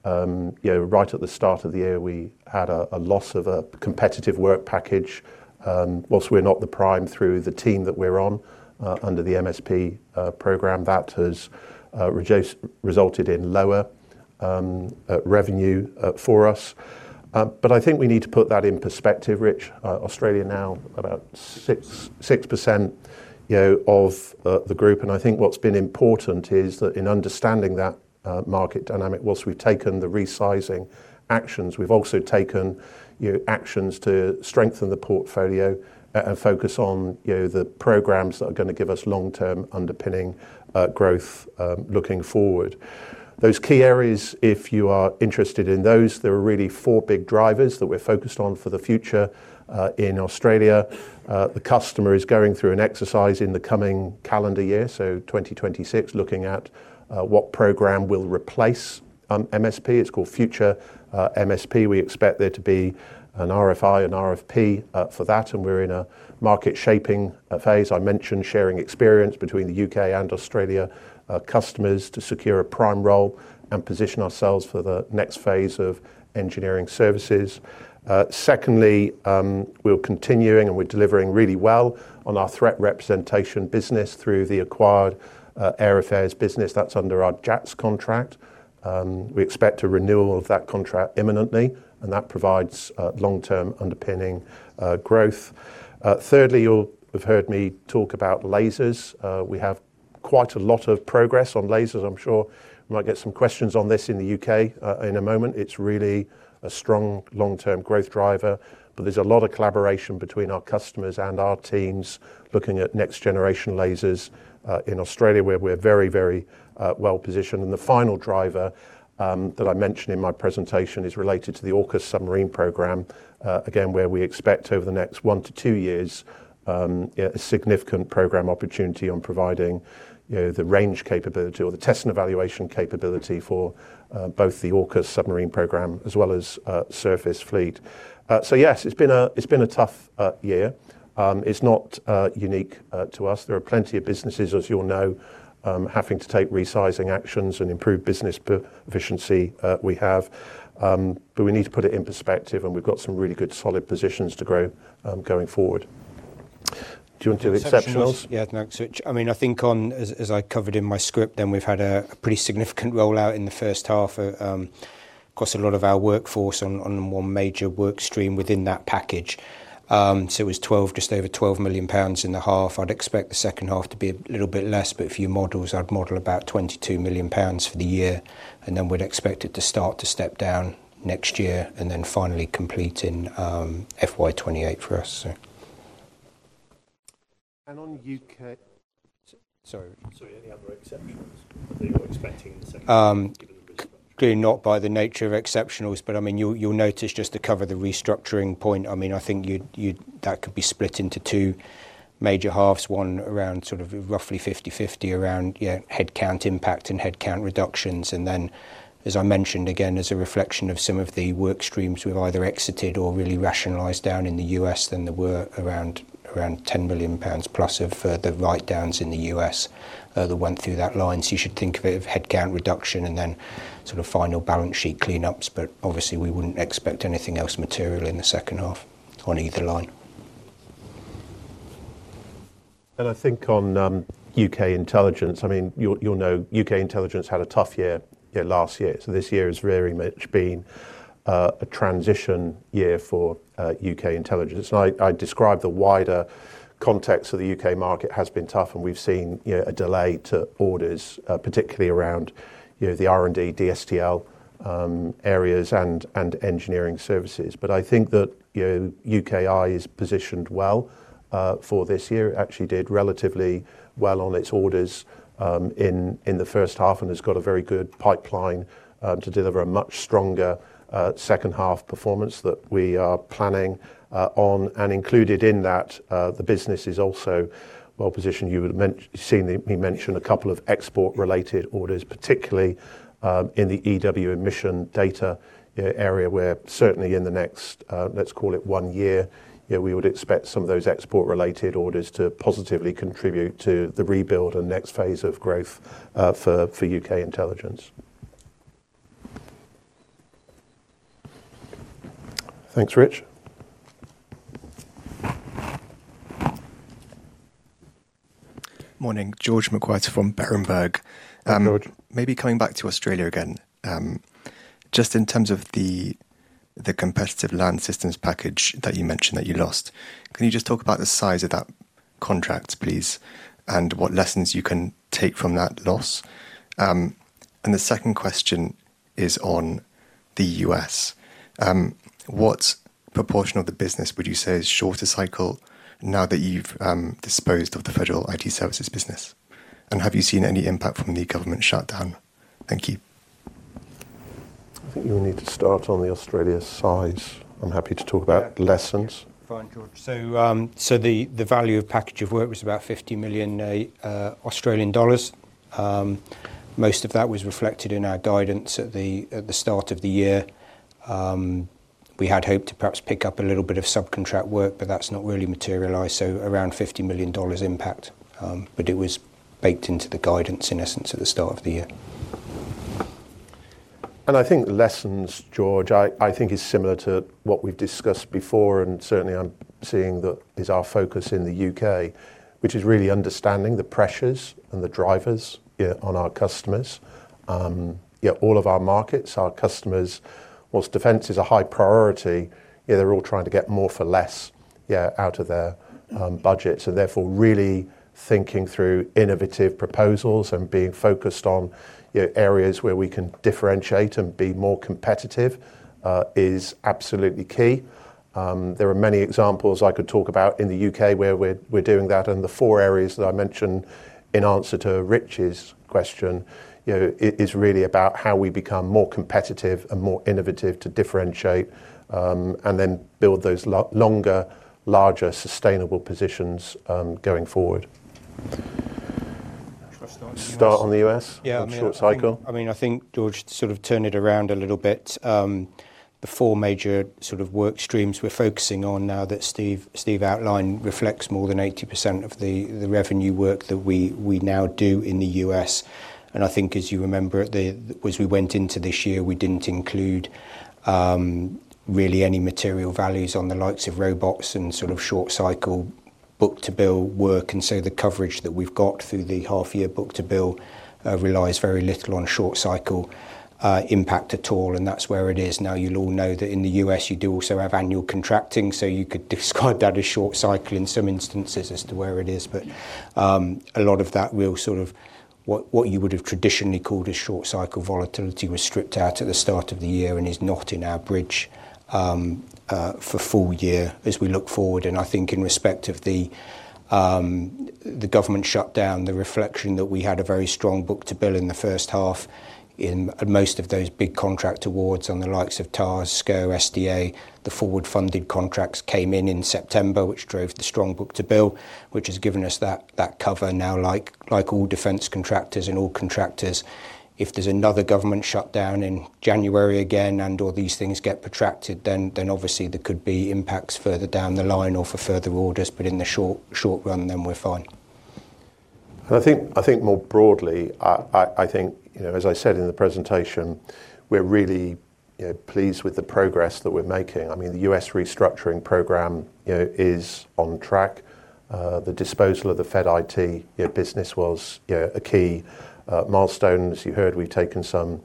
Right at the start of the year, we had a loss of a competitive work package. Whilst we're not the prime through the team that we're on under the MSP program, that has resulted in lower revenue for us. I think we need to put that in perspective, Rich. Australia now about 6% of the group. I think what's been important is that in understanding that market dynamic, whilst we've taken the resizing actions, we've also taken actions to strengthen the portfolio and focus on the programs that are going to give us long-term underpinning growth looking forward. Those key areas, if you are interested in those, there are really four big drivers that we're focused on for the future in Australia. The customer is going through an exercise in the coming calendar year, so 2026, looking at what program will replace MSP. It's called Future MSP. We expect there to be an RFI and RFP for that, and we're in a market-shaping phase. I mentioned sharing experience between the U.K. and Australia customers to secure a prime role and position ourselves for the next phase of engineering services. Secondly, we're continuing and we're delivering really well on our threat representation business through the acquired Air Affairs business. That's under our JATS contract. We expect a renewal of that contract imminently, and that provides long-term underpinning growth. Thirdly, you'll have heard me talk about lasers. We have quite a lot of progress on lasers. I'm sure we might get some questions on this in the U.K. in a moment. It's really a strong long-term growth driver, but there's a lot of collaboration between our customers and our teams looking at next-generation lasers in Australia, where we're very, very well positioned. The final driver that I mentioned in my presentation is related to the AUKUS submarine program, again, where we expect over the next one to two years a significant program opportunity on providing the range capability or the test and evaluation capability for both the AUKUS submarine program as well as surface fleet. Yes, it's been a tough year. It's not unique to us. There are plenty of businesses, as you'll know, having to take resizing actions and improve business efficiency we have. We need to put it in perspective, and we've got some really good solid positions to grow going forward. Do you want to do exceptionals? Yeah, thanks. I mean, I think on, as I covered in my script, then we've had a pretty significant rollout in the first half across a lot of our workforce on one major work stream within that package. It was just over 12 million pounds in the half. I'd expect the second half to be a little bit less, but if you model, I'd model about 22 million pounds for the year. We would expect it to start to step down next year and then finally complete in fiscal year 2028 for us. On U.K., sorry. Sorry, any other exceptions that you're expecting in the second half? Clearly not by the nature of exceptionals, but I mean, you'll notice just to cover the restructuring point. I mean, I think that could be split into two major halves, one around sort of roughly 50/50 around headcount impact and headcount reductions. As I mentioned, again, as a reflection of some of the work streams we have either exited or really rationalized down in the U.S., there were around 10 million pounds plus of further write-downs in the U.S. that went through that line. You should think of it as headcount reduction and then sort of final balance sheet cleanups. Obviously, we would not expect anything else material in the second half on either line. I think on U.K. intelligence, I mean, you will know U.K. intelligence had a tough year last year. This year has really much been a transition year for U.K. intelligence. I describe the wider context of the U.K. market has been tough, and we've seen a delay to orders, particularly around the R&D, DSTL areas, and engineering services. I think that UKI is positioned well for this year. It actually did relatively well on its orders in the first half and has got a very good pipeline to deliver a much stronger second half performance that we are planning on. Included in that, the business is also well positioned. You've seen me mention a couple of export-related orders, particularly in the EW mission data area, where certainly in the next, let's call it one year, we would expect some of those export-related orders to positively contribute to the rebuild and next phase of growth for U.K. intelligence. Thanks, Rich. Morning. George McWhirter from Berenberg. Hey, George. Maybe coming back to Australia again, just in terms of the competitive land systems package that you mentioned that you lost, can you just talk about the size of that contract, please, and what lessons you can take from that loss? The second question is on the U.S. What proportion of the business would you say is shorter cycle now that you've disposed of the federal IT services business? Have you seen any impact from the government shutdown? Thank you. I think you'll need to start on the Australia size. I'm happy to talk about lessons. Fine. George. The value of package of work was about 50 million Australian dollars. Most of that was reflected in our guidance at the start of the year. We had hoped to perhaps pick up a little bit of subcontract work, but that's not really materialized. Around $50 million impact, but it was baked into the guidance, in essence, at the start of the year. I think lessons, George, I think is similar to what we've discussed before, and certainly I'm seeing that is our focus in the U.K., which is really understanding the pressures and the drivers on our customers. All of our markets, our customers, whilst defense is a high priority, they're all trying to get more for less out of their budgets. Therefore, really thinking through innovative proposals and being focused on areas where we can differentiate and be more competitive is absolutely key. There are many examples I could talk about in the U.K. where we're doing that. The four areas that I mentioned in answer to Rich's question is really about how we become more competitive and more innovative to differentiate and then build those longer, larger sustainable positions going forward. Shall I start on the U.S.? Yeah, short cycle. I mean, I think, George, to sort of turn it around a little bit, the four major sort of work streams we're focusing on now that Steve outlined reflects more than 80% of the revenue work that we now do in the U.S. I think, as you remember, as we went into this year, we did not include really any material values on the likes of robots and sort of short cycle book-to-bill work. The coverage that we have got through the half-year book-to-bill relies very little on short cycle impact at all. That is where it is. Now, you'll all know that in the U.S., you do also have annual contracting, so you could describe that as short cycle in some instances as to where it is. A lot of that real sort of what you would have traditionally called a short cycle volatility was stripped out at the start of the year and is not in our bridge for full year as we look forward. I think in respect of the government shutdown, the reflection that we had a very strong book-to-bill in the first half, and most of those big contract awards on the likes of TARS, SCO, SDA, the forward-funded contracts came in in September, which drove the strong book-to-bill, which has given us that cover now. Like all defense contractors and all contractors, if there is another government shutdown in January again and/or these things get protracted, obviously there could be impacts further down the line or for further orders. In the short run, we are fine. I think more broadly, as I said in the presentation, we are really pleased with the progress that we are making. I mean, the US restructuring program is on track. The disposal of the Fed IT business was a key milestone. As you heard, we have taken some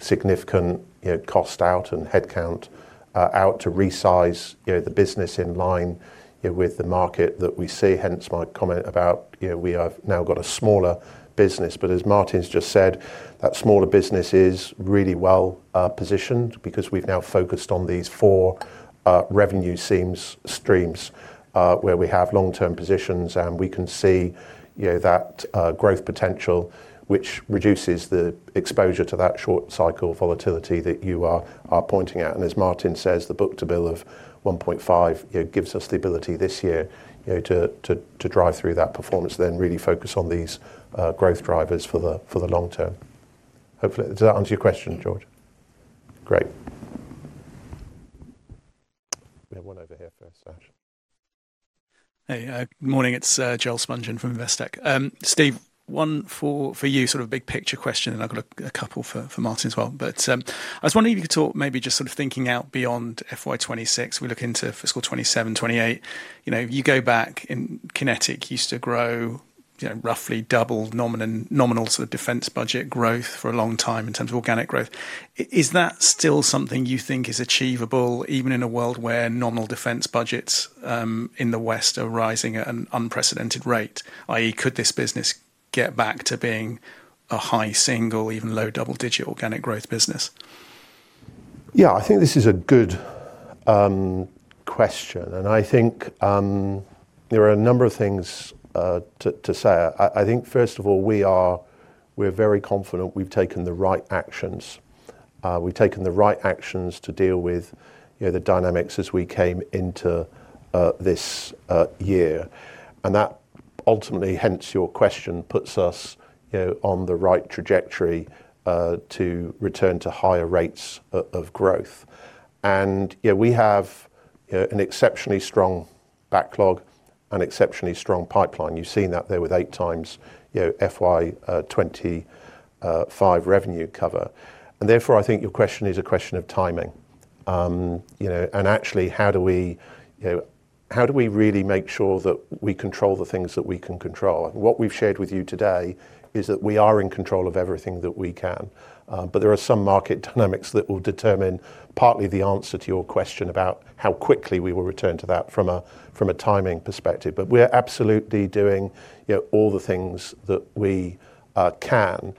significant cost out and headcount out to resize the business in line with the market that we see. Hence, my comment about we have now got a smaller business. As Martin's just said, that smaller business is really well positioned because we've now focused on these four revenue streams where we have long-term positions, and we can see that growth potential, which reduces the exposure to that short cycle volatility that you are pointing at. As Martin says, the book to bill of 1.5 gives us the ability this year to drive through that performance, then really focus on these growth drivers for the long term. Hopefully, does that answer your question, George? Great. We have one over here first. Hey, good morning. It's Joel Spungin from Investec. Steve, one for you, sort of a big picture question, and I've got a couple for Martin as well. I was wondering if you could talk maybe just sort of thinking out beyond FY2026. We look into fiscal 2027, 2028. You go back in QinetiQ, used to grow roughly double nominal sort of defense budget growth for a long time in terms of organic growth. Is that still something you think is achievable even in a world where nominal defense budgets in the West are rising at an unprecedented rate? I.e., could this business get back to being a high single, even low double-digit organic growth business? Yeah, I think this is a good question. I think there are a number of things to say. I think, first of all, we're very confident we've taken the right actions. We've taken the right actions to deal with the dynamics as we came into this year. That ultimately, hence your question, puts us on the right trajectory to return to higher rates of growth. We have an exceptionally strong backlog, an exceptionally strong pipeline. You've seen that there with eight times FY2025 revenue cover. I think your question is a question of timing. Actually, how do we really make sure that we control the things that we can control? What we've shared with you today is that we are in control of everything that we can. There are some market dynamics that will determine partly the answer to your question about how quickly we will return to that from a timing perspective. We're absolutely doing all the things that we can.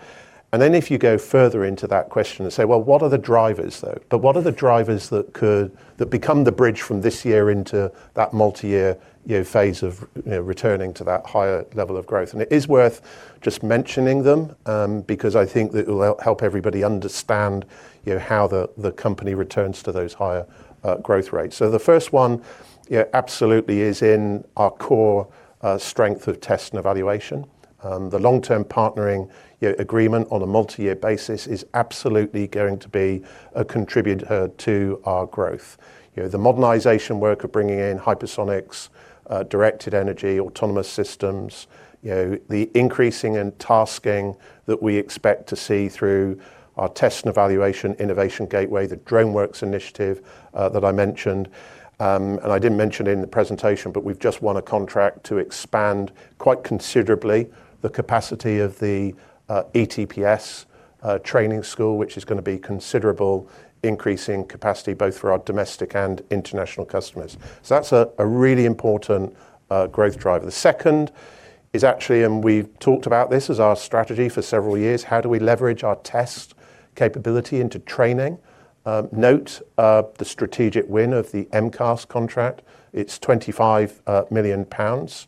If you go further into that question and say, what are the drivers, though? What are the drivers that become the bridge from this year into that multi-year phase of returning to that higher level of growth? It is worth just mentioning them because I think that it will help everybody understand how the company returns to those higher growth rates. The first one absolutely is in our core strength of test and evaluation. The long-term partnering agreement on a multi-year basis is absolutely going to be a contributor to our growth. The modernization work of bringing in hypersonics, directed energy, autonomous systems, the increasing and tasking that we expect to see through our test and evaluation innovation gateway, the DroneWorks initiative that I mentioned. I did not mention it in the presentation, but we have just won a contract to expand quite considerably the capacity of the ETPS training school, which is going to be considerable increasing capacity both for our domestic and international customers. That is a really important growth driver. The second is actually, and we've talked about this as our strategy for several years, how do we leverage our test capability into training? Note the strategic win of the MCAS contract. It is 25 million pounds.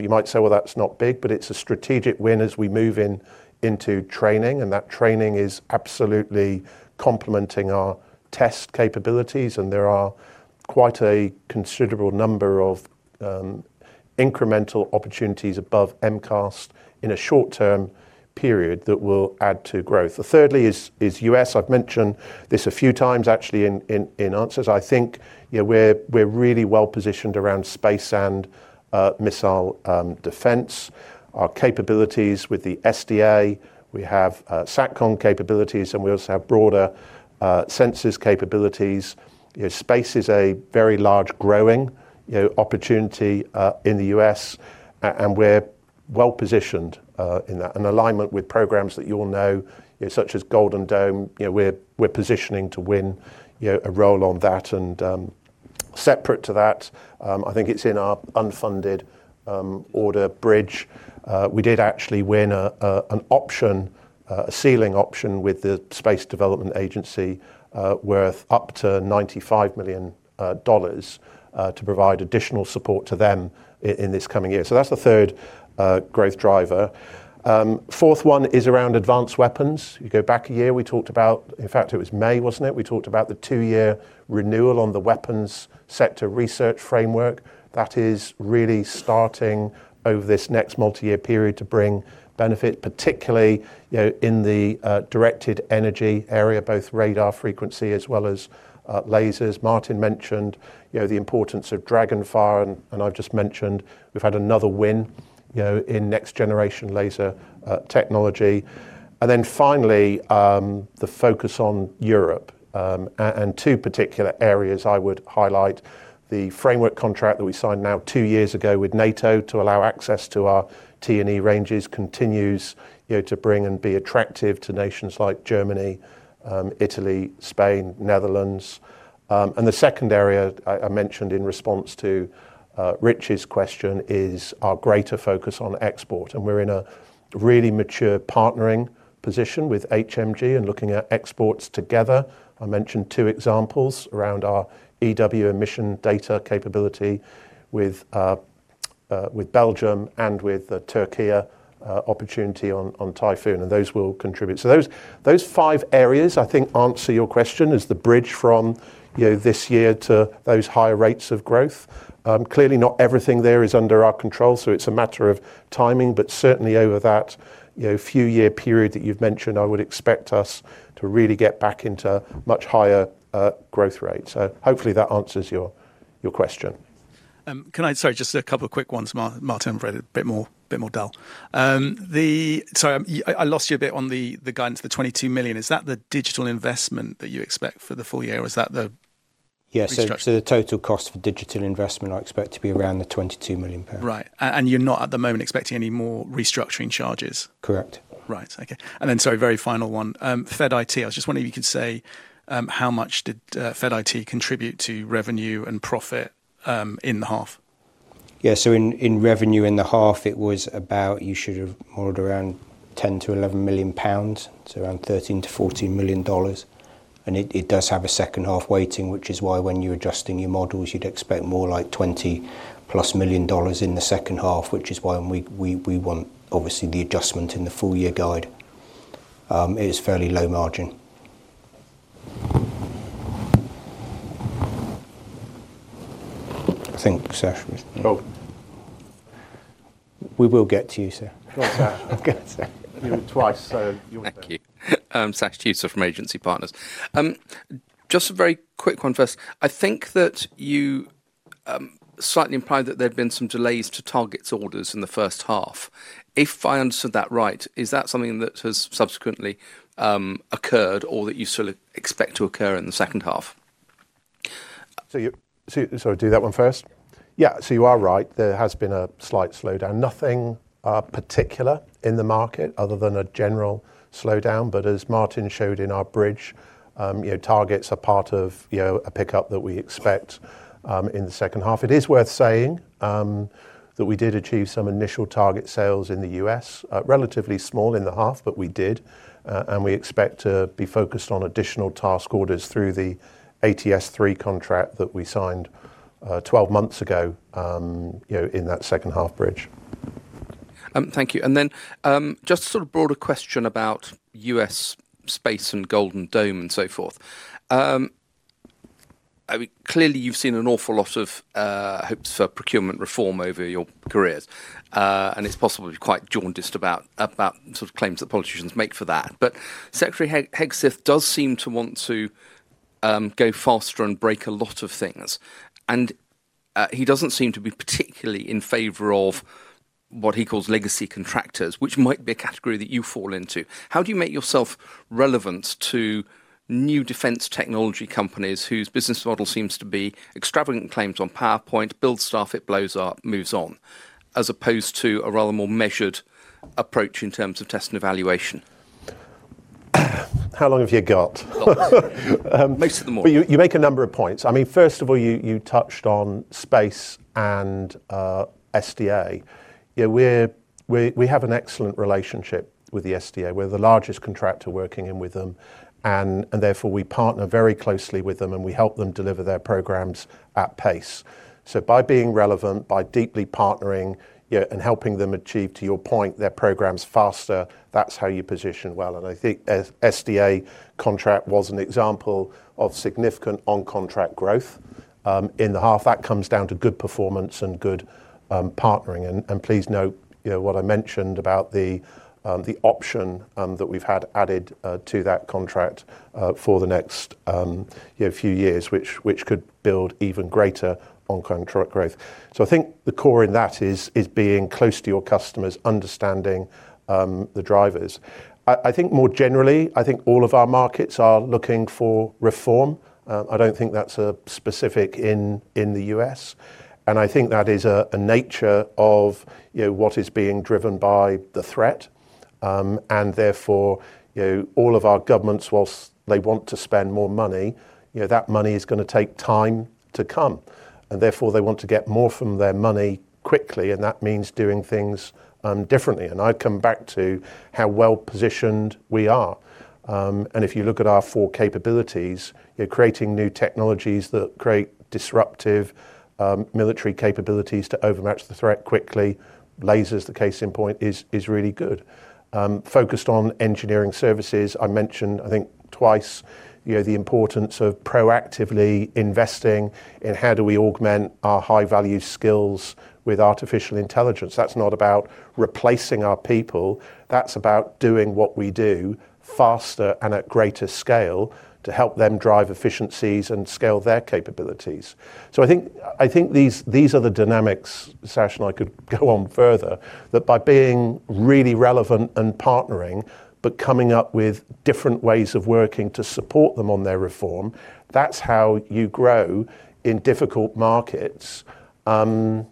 You might say, that is not big, but it is a strategic win as we move into training. That training is absolutely complementing our test capabilities. There are quite a considerable number of incremental opportunities above MCAS in a short-term period that will add to growth. The third is U.S. I have mentioned this a few times, actually, in answers. I think we are really well positioned around space and missile defense. Our capabilities with the SDA, we have SATCOM capabilities, and we also have broader sensors capabilities. Space is a very large growing opportunity in the U.S., and we are well positioned in that. Alignment with programs that you all know, such as Golden Dome, we are positioning to win a role on that. Separate to that, I think it is in our unfunded order bridge. We did actually win an option, a ceiling option with the U.S. Space Development Agency worth up to $95 million to provide additional support to them in this coming year. That is the third growth driver. The fourth one is around advanced weapons. You go back a year, we talked about, in fact, it was May, was it not? We talked about the two-year renewal on the weapons sector research framework. That is really starting over this next multi-year period to bring benefit, particularly in the directed energy area, both radar frequency as well as lasers. Martin mentioned the importance of Dragonfire, and I have just mentioned we have had another win in next-generation laser technology. Finally, the focus on Europe and two particular areas I would highlight. The framework contract that we signed now two years ago with NATO to allow access to our T&E ranges continues to bring and be attractive to nations like Germany, Italy, Spain, Netherlands. The second area I mentioned in response to Rich's question is our greater focus on export. We're in a really mature partnering position with HMG and looking at exports together. I mentioned two examples around our EW mission data capability with Belgium and with the Türkiye opportunity on Typhoon. Those will contribute. Those five areas, I think, answer your question as the bridge from this year to those higher rates of growth. Clearly, not everything there is under our control, so it's a matter of timing. Certainly, over that few-year period that you have mentioned, I would expect us to really get back into much higher growth rates. Hopefully, that answers your question. Sorry, just a couple of quick ones, Martin, for a bit more detail. Sorry, I lost you a bit on the guidance, the 22 million. Is that the digital investment that you expect for the full year, or is that the restructure? Yes, so the total cost for digital investment, I expect to be around 22 million. Right. And you are not at the moment expecting any more restructuring charges? Correct. Right. Okay. Sorry, very final one. Fed IT, I was just wondering if you could say how much did Fed IT contribute to revenue and profit in the half? Yeah, so in revenue in the half, it was about, you should have modeled around 10 million-11 million pounds. Around GBP 13 million-GBP 14 million. It does have a second half waiting, which is why when you're adjusting your models, you'd expect more like GBP 20 million+ in the second half, which is why we want, obviously, the adjustment in the full-year guide. It is fairly low margin. I think, Sash, we've—oh. We will get to you, Sir. Go on, Sash. You were twice, so you'll— Thank you. Sash Tusa from Agency Partners. Just a very quick one first. I think that you slightly implied that there had been some delays to targets orders in the first half. If I understood that right, is that something that has subsequently occurred or that you sort of expect to occur in the second half? Sorry, do that one first. Yeah, you are right. There has been a slight slowdown. Nothing particular in the market other than a general slowdown. As Martin showed in our bridge, targets are part of a pickup that we expect in the second half. It is worth saying that we did achieve some initial target sales in the U.S., relatively small in the half, but we did. We expect to be focused on additional task orders through the ATS3 contract that we signed 12 months ago in that second half bridge. Thank you. Just a sort of broader question about US space and Golden Dome and so forth. Clearly, you've seen an awful lot of hopes for procurement reform over your careers. It is possible to be quite jaundiced about sort of claims that politicians make for that. Secretary Hegseth does seem to want to go faster and break a lot of things. He does not seem to be particularly in favor of what he calls legacy contractors, which might be a category that you fall into. How do you make yourself relevant to new defense technology companies whose business model seems to be extravagant claims on PowerPoint, build stuff, it blows up, moves on, as opposed to a rather more measured approach in terms of test and evaluation? How long have you got? Most of them all. You make a number of points. I mean, first of all, you touched on space and SDA. We have an excellent relationship with the SDA. We are the largest contractor working in with them. Therefore, we partner very closely with them, and we help them deliver their programs at pace. By being relevant, by deeply partnering and helping them achieve, to your point, their programs faster, that is how you position well. I think SDA contract was an example of significant on-contract growth in the half. That comes down to good performance and good partnering. Please note what I mentioned about the option that we've had added to that contract for the next few years, which could build even greater on-contract growth. I think the core in that is being close to your customers, understanding the drivers. More generally, I think all of our markets are looking for reform. I do not think that's specific in the U.S. I think that is a nature of what is being driven by the threat. Therefore, all of our governments, whilst they want to spend more money, that money is going to take time to come. Therefore, they want to get more from their money quickly. That means doing things differently. I come back to how well positioned we are. If you look at our four capabilities, creating new technologies that create disruptive military capabilities to overmatch the threat quickly, lasers, the case in point, is really good. Focused on engineering services, I mentioned, I think, twice the importance of proactively investing in how do we augment our high-value skills with artificial intelligence. That is not about replacing our people. That is about doing what we do faster and at greater scale to help them drive efficiencies and scale their capabilities. I think these are the dynamics, Sash, and I could go on further, that by being really relevant and partnering, but coming up with different ways of working to support them on their reform, that is how you grow in difficult markets and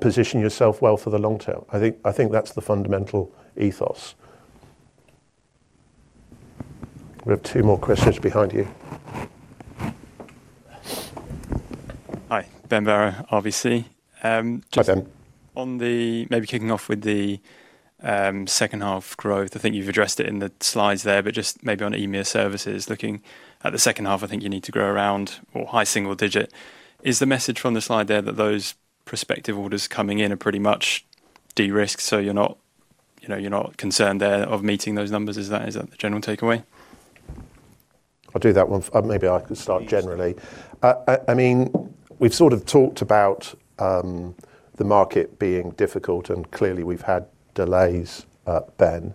position yourself well for the long term. I think that is the fundamental ethos. We have two more questions behind you. Hi, Ben, RBC. Hi, Ben. Maybe kicking off with the second half growth. I think you've addressed it in the slides there, but just maybe on EMEA services, looking at the second half, I think you need to grow around or high single digit. Is the message from the slide there that those prospective orders coming in are pretty much de-risked so you're not concerned there of meeting those numbers? Is that the general takeaway? I'll do that one. Maybe I could start generally. I mean, we've sort of talked about the market being difficult, and clearly we've had delays, Ben.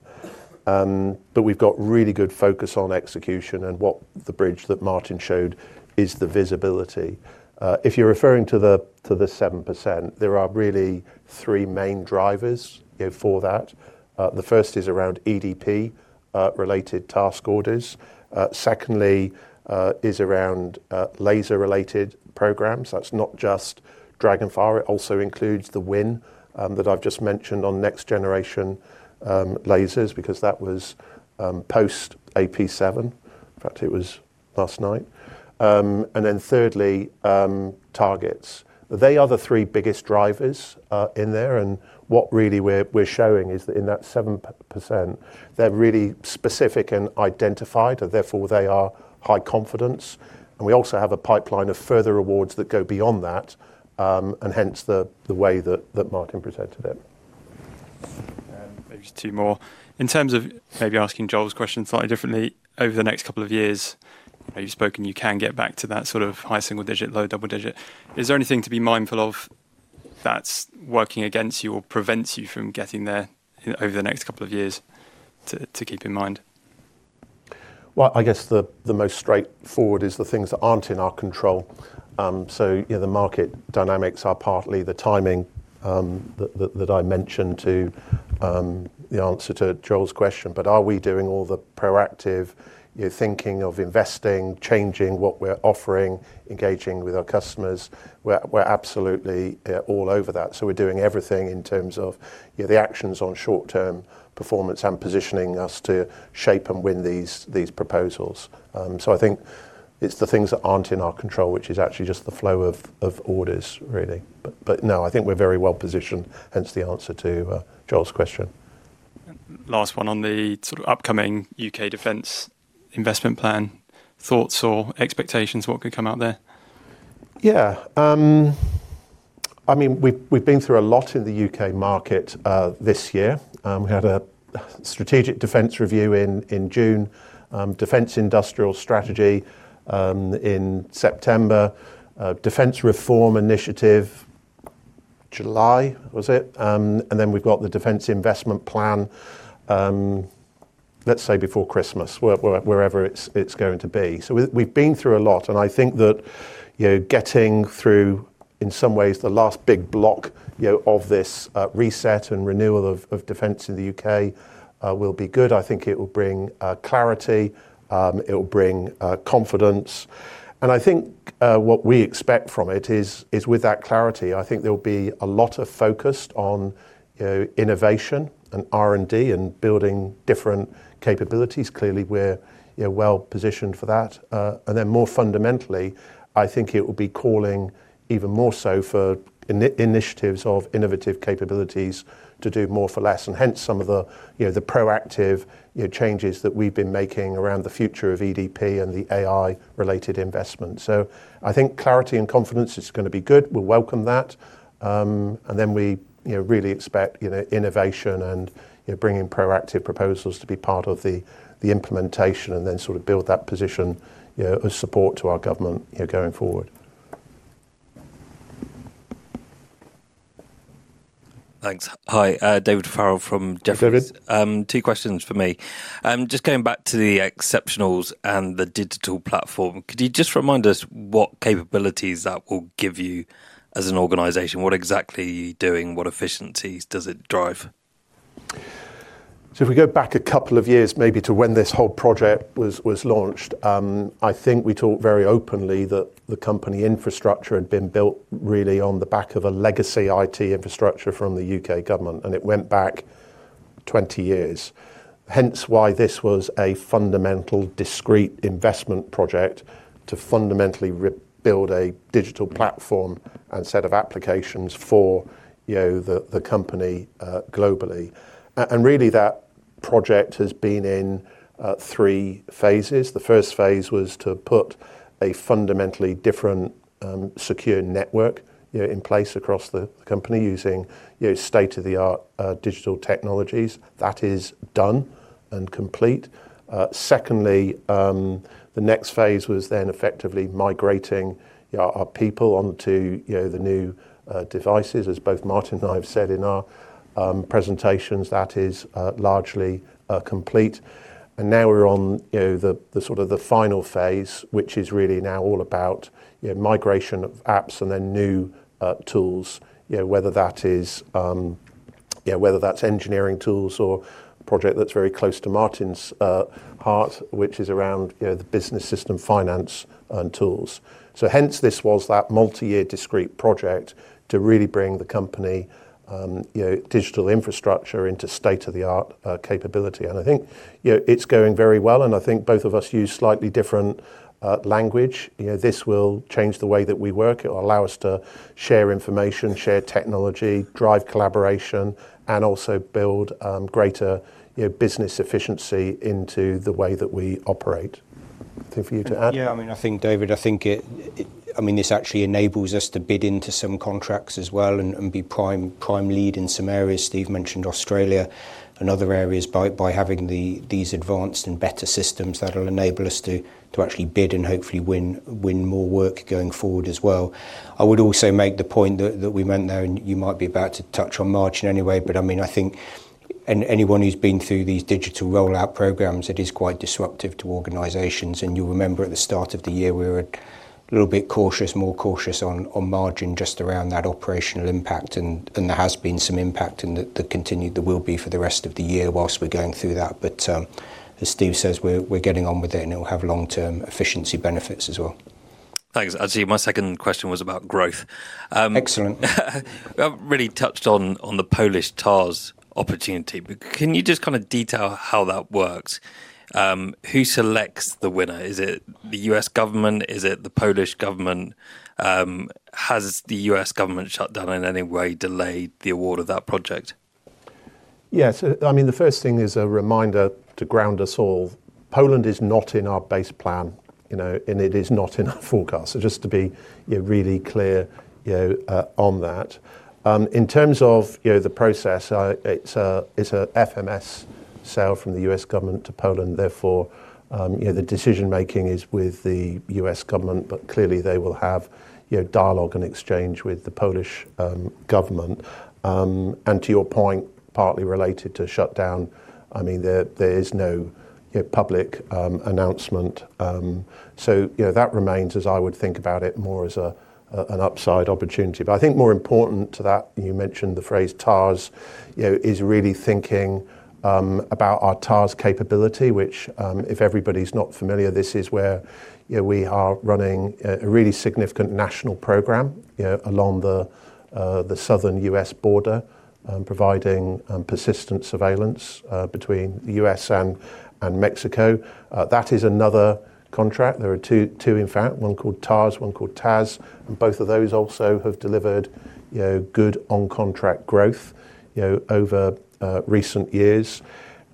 But we've got really good focus on execution, and what the bridge that Martin showed is the visibility. If you're referring to the 7%, there are really three main drivers for that. The first is around EDP-related task orders. Secondly is around laser-related programs. That is not just Dragonfire. It also includes the win that I have just mentioned on next-generation lasers because that was post AP7. In fact, it was last night. Thirdly, targets. They are the three biggest drivers in there. What really we are showing is that in that 7%, they are really specific and identified, and therefore they are high confidence. We also have a pipeline of further awards that go beyond that, and hence the way that Martin presented it. Maybe just two more. In terms of maybe asking Joel's question slightly differently, over the next couple of years, you have spoken you can get back to that sort of high single digit, low double digit. Is there anything to be mindful of that is working against you or prevents you from getting there over the next couple of years to keep in mind? I guess the most straightforward is the things that are not in our control. The market dynamics are partly the timing that I mentioned in the answer to Joel's question. Are we doing all the proactive thinking of investing, changing what we are offering, engaging with our customers? We are absolutely all over that. We are doing everything in terms of the actions on short-term performance and positioning us to shape and win these proposals. I think it is the things that are not in our control, which is actually just the flow of orders, really. No, I think we are very well positioned, hence the answer to Joel's question. Last one on the sort of upcoming U.K. defense investment plan. Thoughts or expectations, what could come out there? Yeah. I mean, we have been through a lot in the U.K. market this year. We had a strategic defense review in June, defense industrial strategy in September, defense reform initiative, July, was it? Then we have got the defense investment plan, let's say before Christmas, wherever it is going to be. We have been through a lot. I think that getting through, in some ways, the last big block of this reset and renewal of defense in the U.K. will be good. I think it will bring clarity. It will bring confidence. I think what we expect from it is with that clarity, there will be a lot of focus on innovation and R&D and building different capabilities. Clearly, we are well positioned for that. More fundamentally, I think it will be calling even more so for initiatives of innovative capabilities to do more for less. Hence some of the proactive changes that we've been making around the future of EDP and the AI-related investment. I think clarity and confidence is going to be good. We'll welcome that. We really expect innovation and bringing proactive proposals to be part of the implementation and then sort of build that position as support to our government going forward. Thanks. Hi, David Farrell from Jefferies. Two questions for me. Just going back to the exceptionals and the digital platform, could you just remind us what capabilities that will give you as an organization? What exactly are you doing? What efficiencies does it drive? If we go back a couple of years, maybe to when this whole project was launched, I think we talked very openly that the company infrastructure had been built really on the back of a legacy IT infrastructure from the U.K. government. It went back 20 years. Hence why this was a fundamental discrete investment project to fundamentally rebuild a digital platform and set of applications for the company globally. Really, that project has been in three phases. The first phase was to put a fundamentally different secure network in place across the company using state-of-the-art digital technologies. That is done and complete. Secondly, the next phase was then effectively migrating our people onto the new devices. As both Martin and I have said in our presentations, that is largely complete. We are now on the sort of the final phase, which is really now all about migration of apps and then new tools, whether that's engineering tools or a project that's very close to Martin's heart, which is around the business system finance and tools. This was that multi-year discrete project to really bring the company digital infrastructure into state-of-the-art capability. I think it's going very well. I think both of us use slightly different language. This will change the way that we work. It will allow us to share information, share technology, drive collaboration, and also build greater business efficiency into the way that we operate. Anything for you to add? Yeah. I mean, I think, David, I think it, I mean, this actually enables us to bid into some contracts as well and be prime lead in some areas. Steve mentioned Australia and other areas by having these advanced and better systems that will enable us to actually bid and hopefully win more work going forward as well. I would also make the point that we meant there, and you might be about to touch on margin anyway, but I mean, I think anyone who's been through these digital rollout programs, it is quite disruptive to organizations. You will remember at the start of the year, we were a little bit cautious, more cautious on margin just around that operational impact. There has been some impact and there will continue to be for the rest of the year whilst we're going through that. As Steve says, we're getting on with it, and it will have long-term efficiency benefits as well. Thanks. Actually, my second question was about growth. Excellent. We have not really touched on the Polish TARS opportunity, but can you just kind of detail how that works? Who selects the winner? Is it the U.S. government? Is it the Polish government? Has the U.S. government shutdown in any way delayed the award of that project? Yes. I mean, the first thing is a reminder to ground us all. Poland is not in our base plan, and it is not in our forecast. Just to be really clear on that. In terms of the process, it is an FMS sale from the U.S. government to Poland. Therefore, the decision-making is with the U.S. government, but clearly they will have dialogue and exchange with the Polish government. To your point, partly related to shutdown, there is no public announcement. That remains, as I would think about it, more as an upside opportunity. I think more important to that, you mentioned the phrase TARS, is really thinking about our TARS capability, which, if everybody's not familiar, this is where we are running a really significant national program along the southern U.S. border, providing persistent surveillance between the U.S. and Mexico. That is another contract. There are two, in fact, one called TARS, one called TAZ. Both of those also have delivered good on-contract growth over recent years.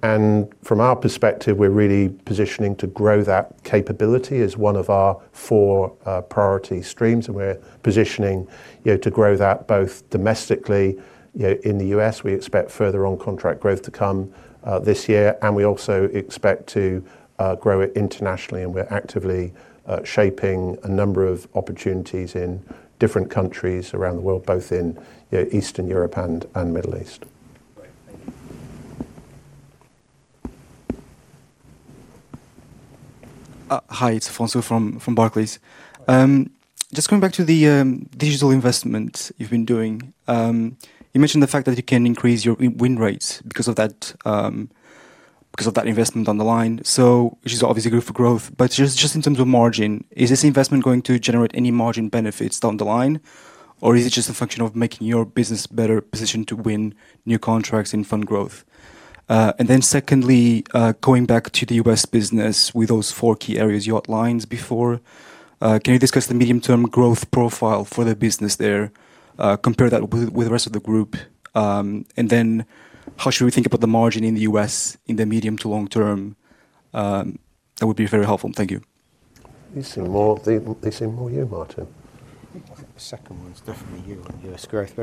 From our perspective, we're really positioning to grow that capability as one of our four priority streams. We're positioning to grow that both domestically in the U.S. We expect further on-contract growth to come this year. We also expect to grow it internationally. We're actively shaping a number of opportunities in different countries around the world, both in Eastern Europe and Middle East. Hi, it's Afonso from Barclays. Just coming back to the digital investment you have been doing, you mentioned the fact that you can increase your win rates because of that investment down the line. It is obviously good for growth. Just in terms of margin, is this investment going to generate any margin benefits down the line? Or is it just a function of making your business better positioned to win new contracts and fund growth? Secondly, going back to the U.S. business with those four key areas you outlined before, can you discuss the medium-term growth profile for the business there, compare that with the rest of the group? How should we think about the margin in the U.S. in the medium to long term? That would be very helpful. Thank you. They seem more you, Martin. The second one is definitely you on U.S. growth.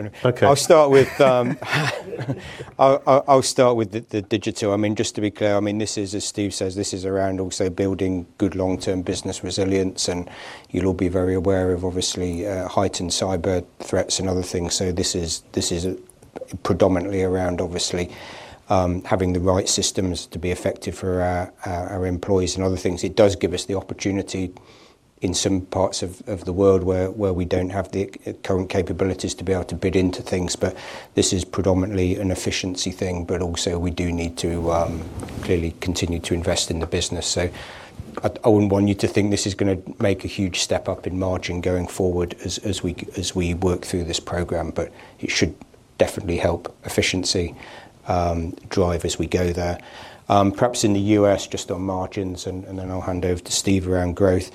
I'll start with the digital. I mean, just to be clear, I mean, as Steve says, this is around also building good long-term business resilience. You'll all be very aware of, obviously, heightened cyber threats and other things. This is predominantly around, obviously, having the right systems to be effective for our employees and other things. It does give us the opportunity in some parts of the world where we do not have the current capabilities to be able to bid into things. This is predominantly an efficiency thing. We do need to clearly continue to invest in the business. I would not want you to think this is going to make a huge step up in margin going forward as we work through this program. It should definitely help efficiency drive as we go there. Perhaps in the U.S., just on margins, and then I'll hand over to Steve around growth.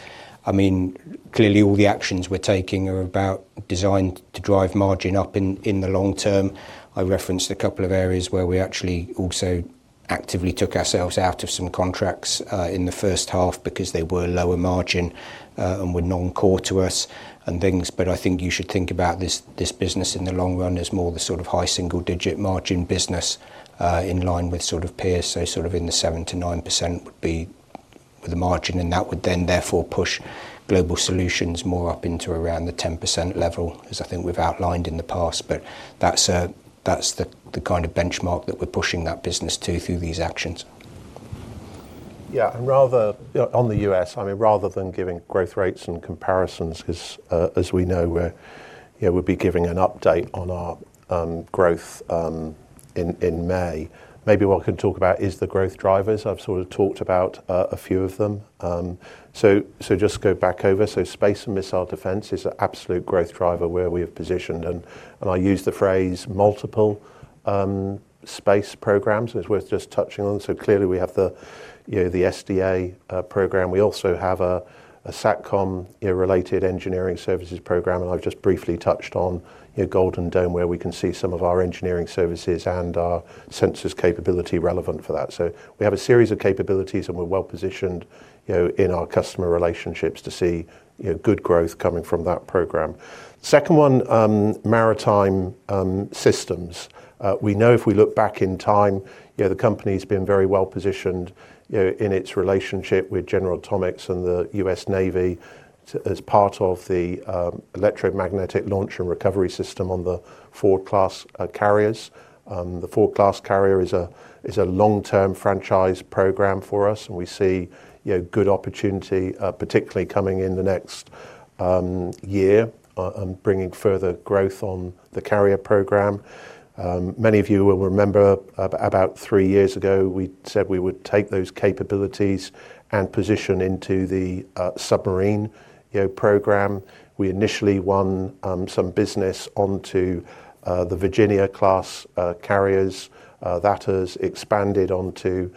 I mean, clearly, all the actions we're taking are about designed to drive margin up in the long term. I referenced a couple of areas where we actually also actively took ourselves out of some contracts in the first half because they were lower margin and were non-core to us and things. I think you should think about this business in the long run as more the sort of high single-digit margin business in line with sort of peers. Sort of in the 7%-9% would be the margin. That would then therefore push global solutions more up into around the 10% level, as I think we've outlined in the past. That's the kind of benchmark that we're pushing that business to through these actions. Yeah. On the U.S., I mean, rather than giving growth rates and comparisons, because as we know, we'll be giving an update on our growth in May, maybe what we can talk about is the growth drivers. I've sort of talked about a few of them. Just go back over. Space and missile defense is an absolute growth driver where we have positioned. I use the phrase multiple space programs. It's worth just touching on. Clearly, we have the SDA program. We also have a SATCOM-related engineering services program. I've just briefly touched on Golden Dome where we can see some of our engineering services and our sensors capability relevant for that. We have a series of capabilities, and we're well positioned in our customer relationships to see good growth coming from that program. Second one, maritime systems. We know if we look back in time, the company has been very well positioned in its relationship with General Atomics and the U.S. Navy as part of the electromagnetic launch and recovery system on the Ford-class carriers. The Ford-class carrier is a long-term franchise program for us. We see good opportunity, particularly coming in the next year, bringing further growth on the carrier program. Many of you will remember about three years ago, we said we would take those capabilities and position into the submarine program. We initially won some business onto the Virginia-class carriers. That has expanded onto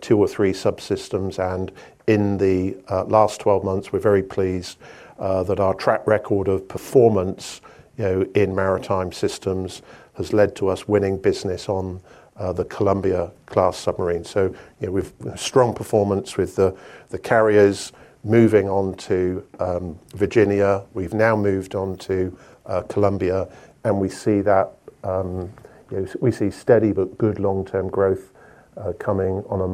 two or three subsystems. In the last 12 months, we're very pleased that our track record of performance in maritime systems has led to us winning business on the Columbia-class submarine. We've had strong performance with the carriers moving on to Virginia. We've now moved on to Columbia. We see that we see steady but good long-term growth coming on a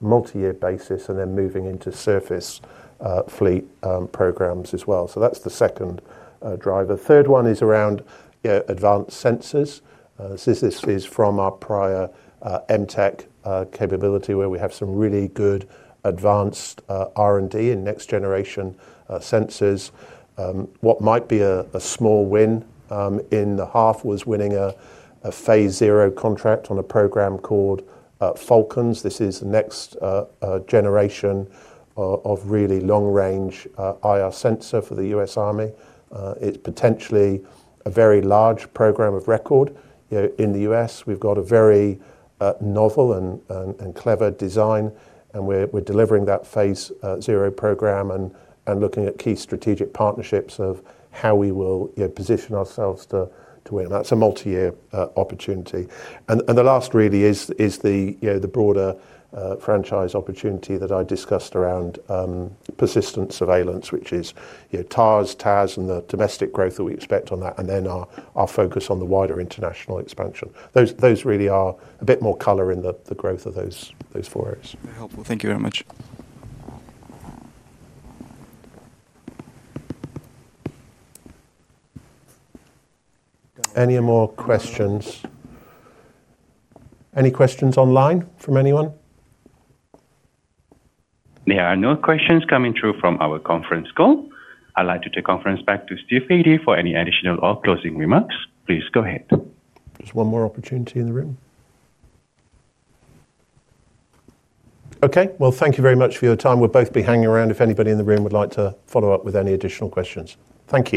multi-year basis and then moving into surface fleet programs as well. That's the second driver. The third one is around advanced sensors. This is from our prior MTEC capability where we have some really good advanced R&D in next-generation sensors. What might be a small win in the half was winning a phase zero contract on a program called Falcons. This is the next generation of really long-range IR sensor for the U.S. Army. It's potentially a very large program of record in the U.S. We've got a very novel and clever design. We're delivering that phase zero program and looking at key strategic partnerships of how we will position ourselves to win. That's a multi-year opportunity. The last really is the broader franchise opportunity that I discussed around persistent surveillance, which is TARS, TAZ, and the domestic growth that we expect on that, and then our focus on the wider international expansion. Those really are a bit more color in the growth of those four areas. Very helpful. Thank you very much. Any more questions? Any questions online from anyone? There are no questions coming through from our conference call. I would like to take conference back to Steve Wadey for any additional or closing remarks. Please go ahead. There is one more opportunity in the room. Thank you very much for your time. We will both be hanging around if anybody in the room would like to follow up with any additional questions. Thank you.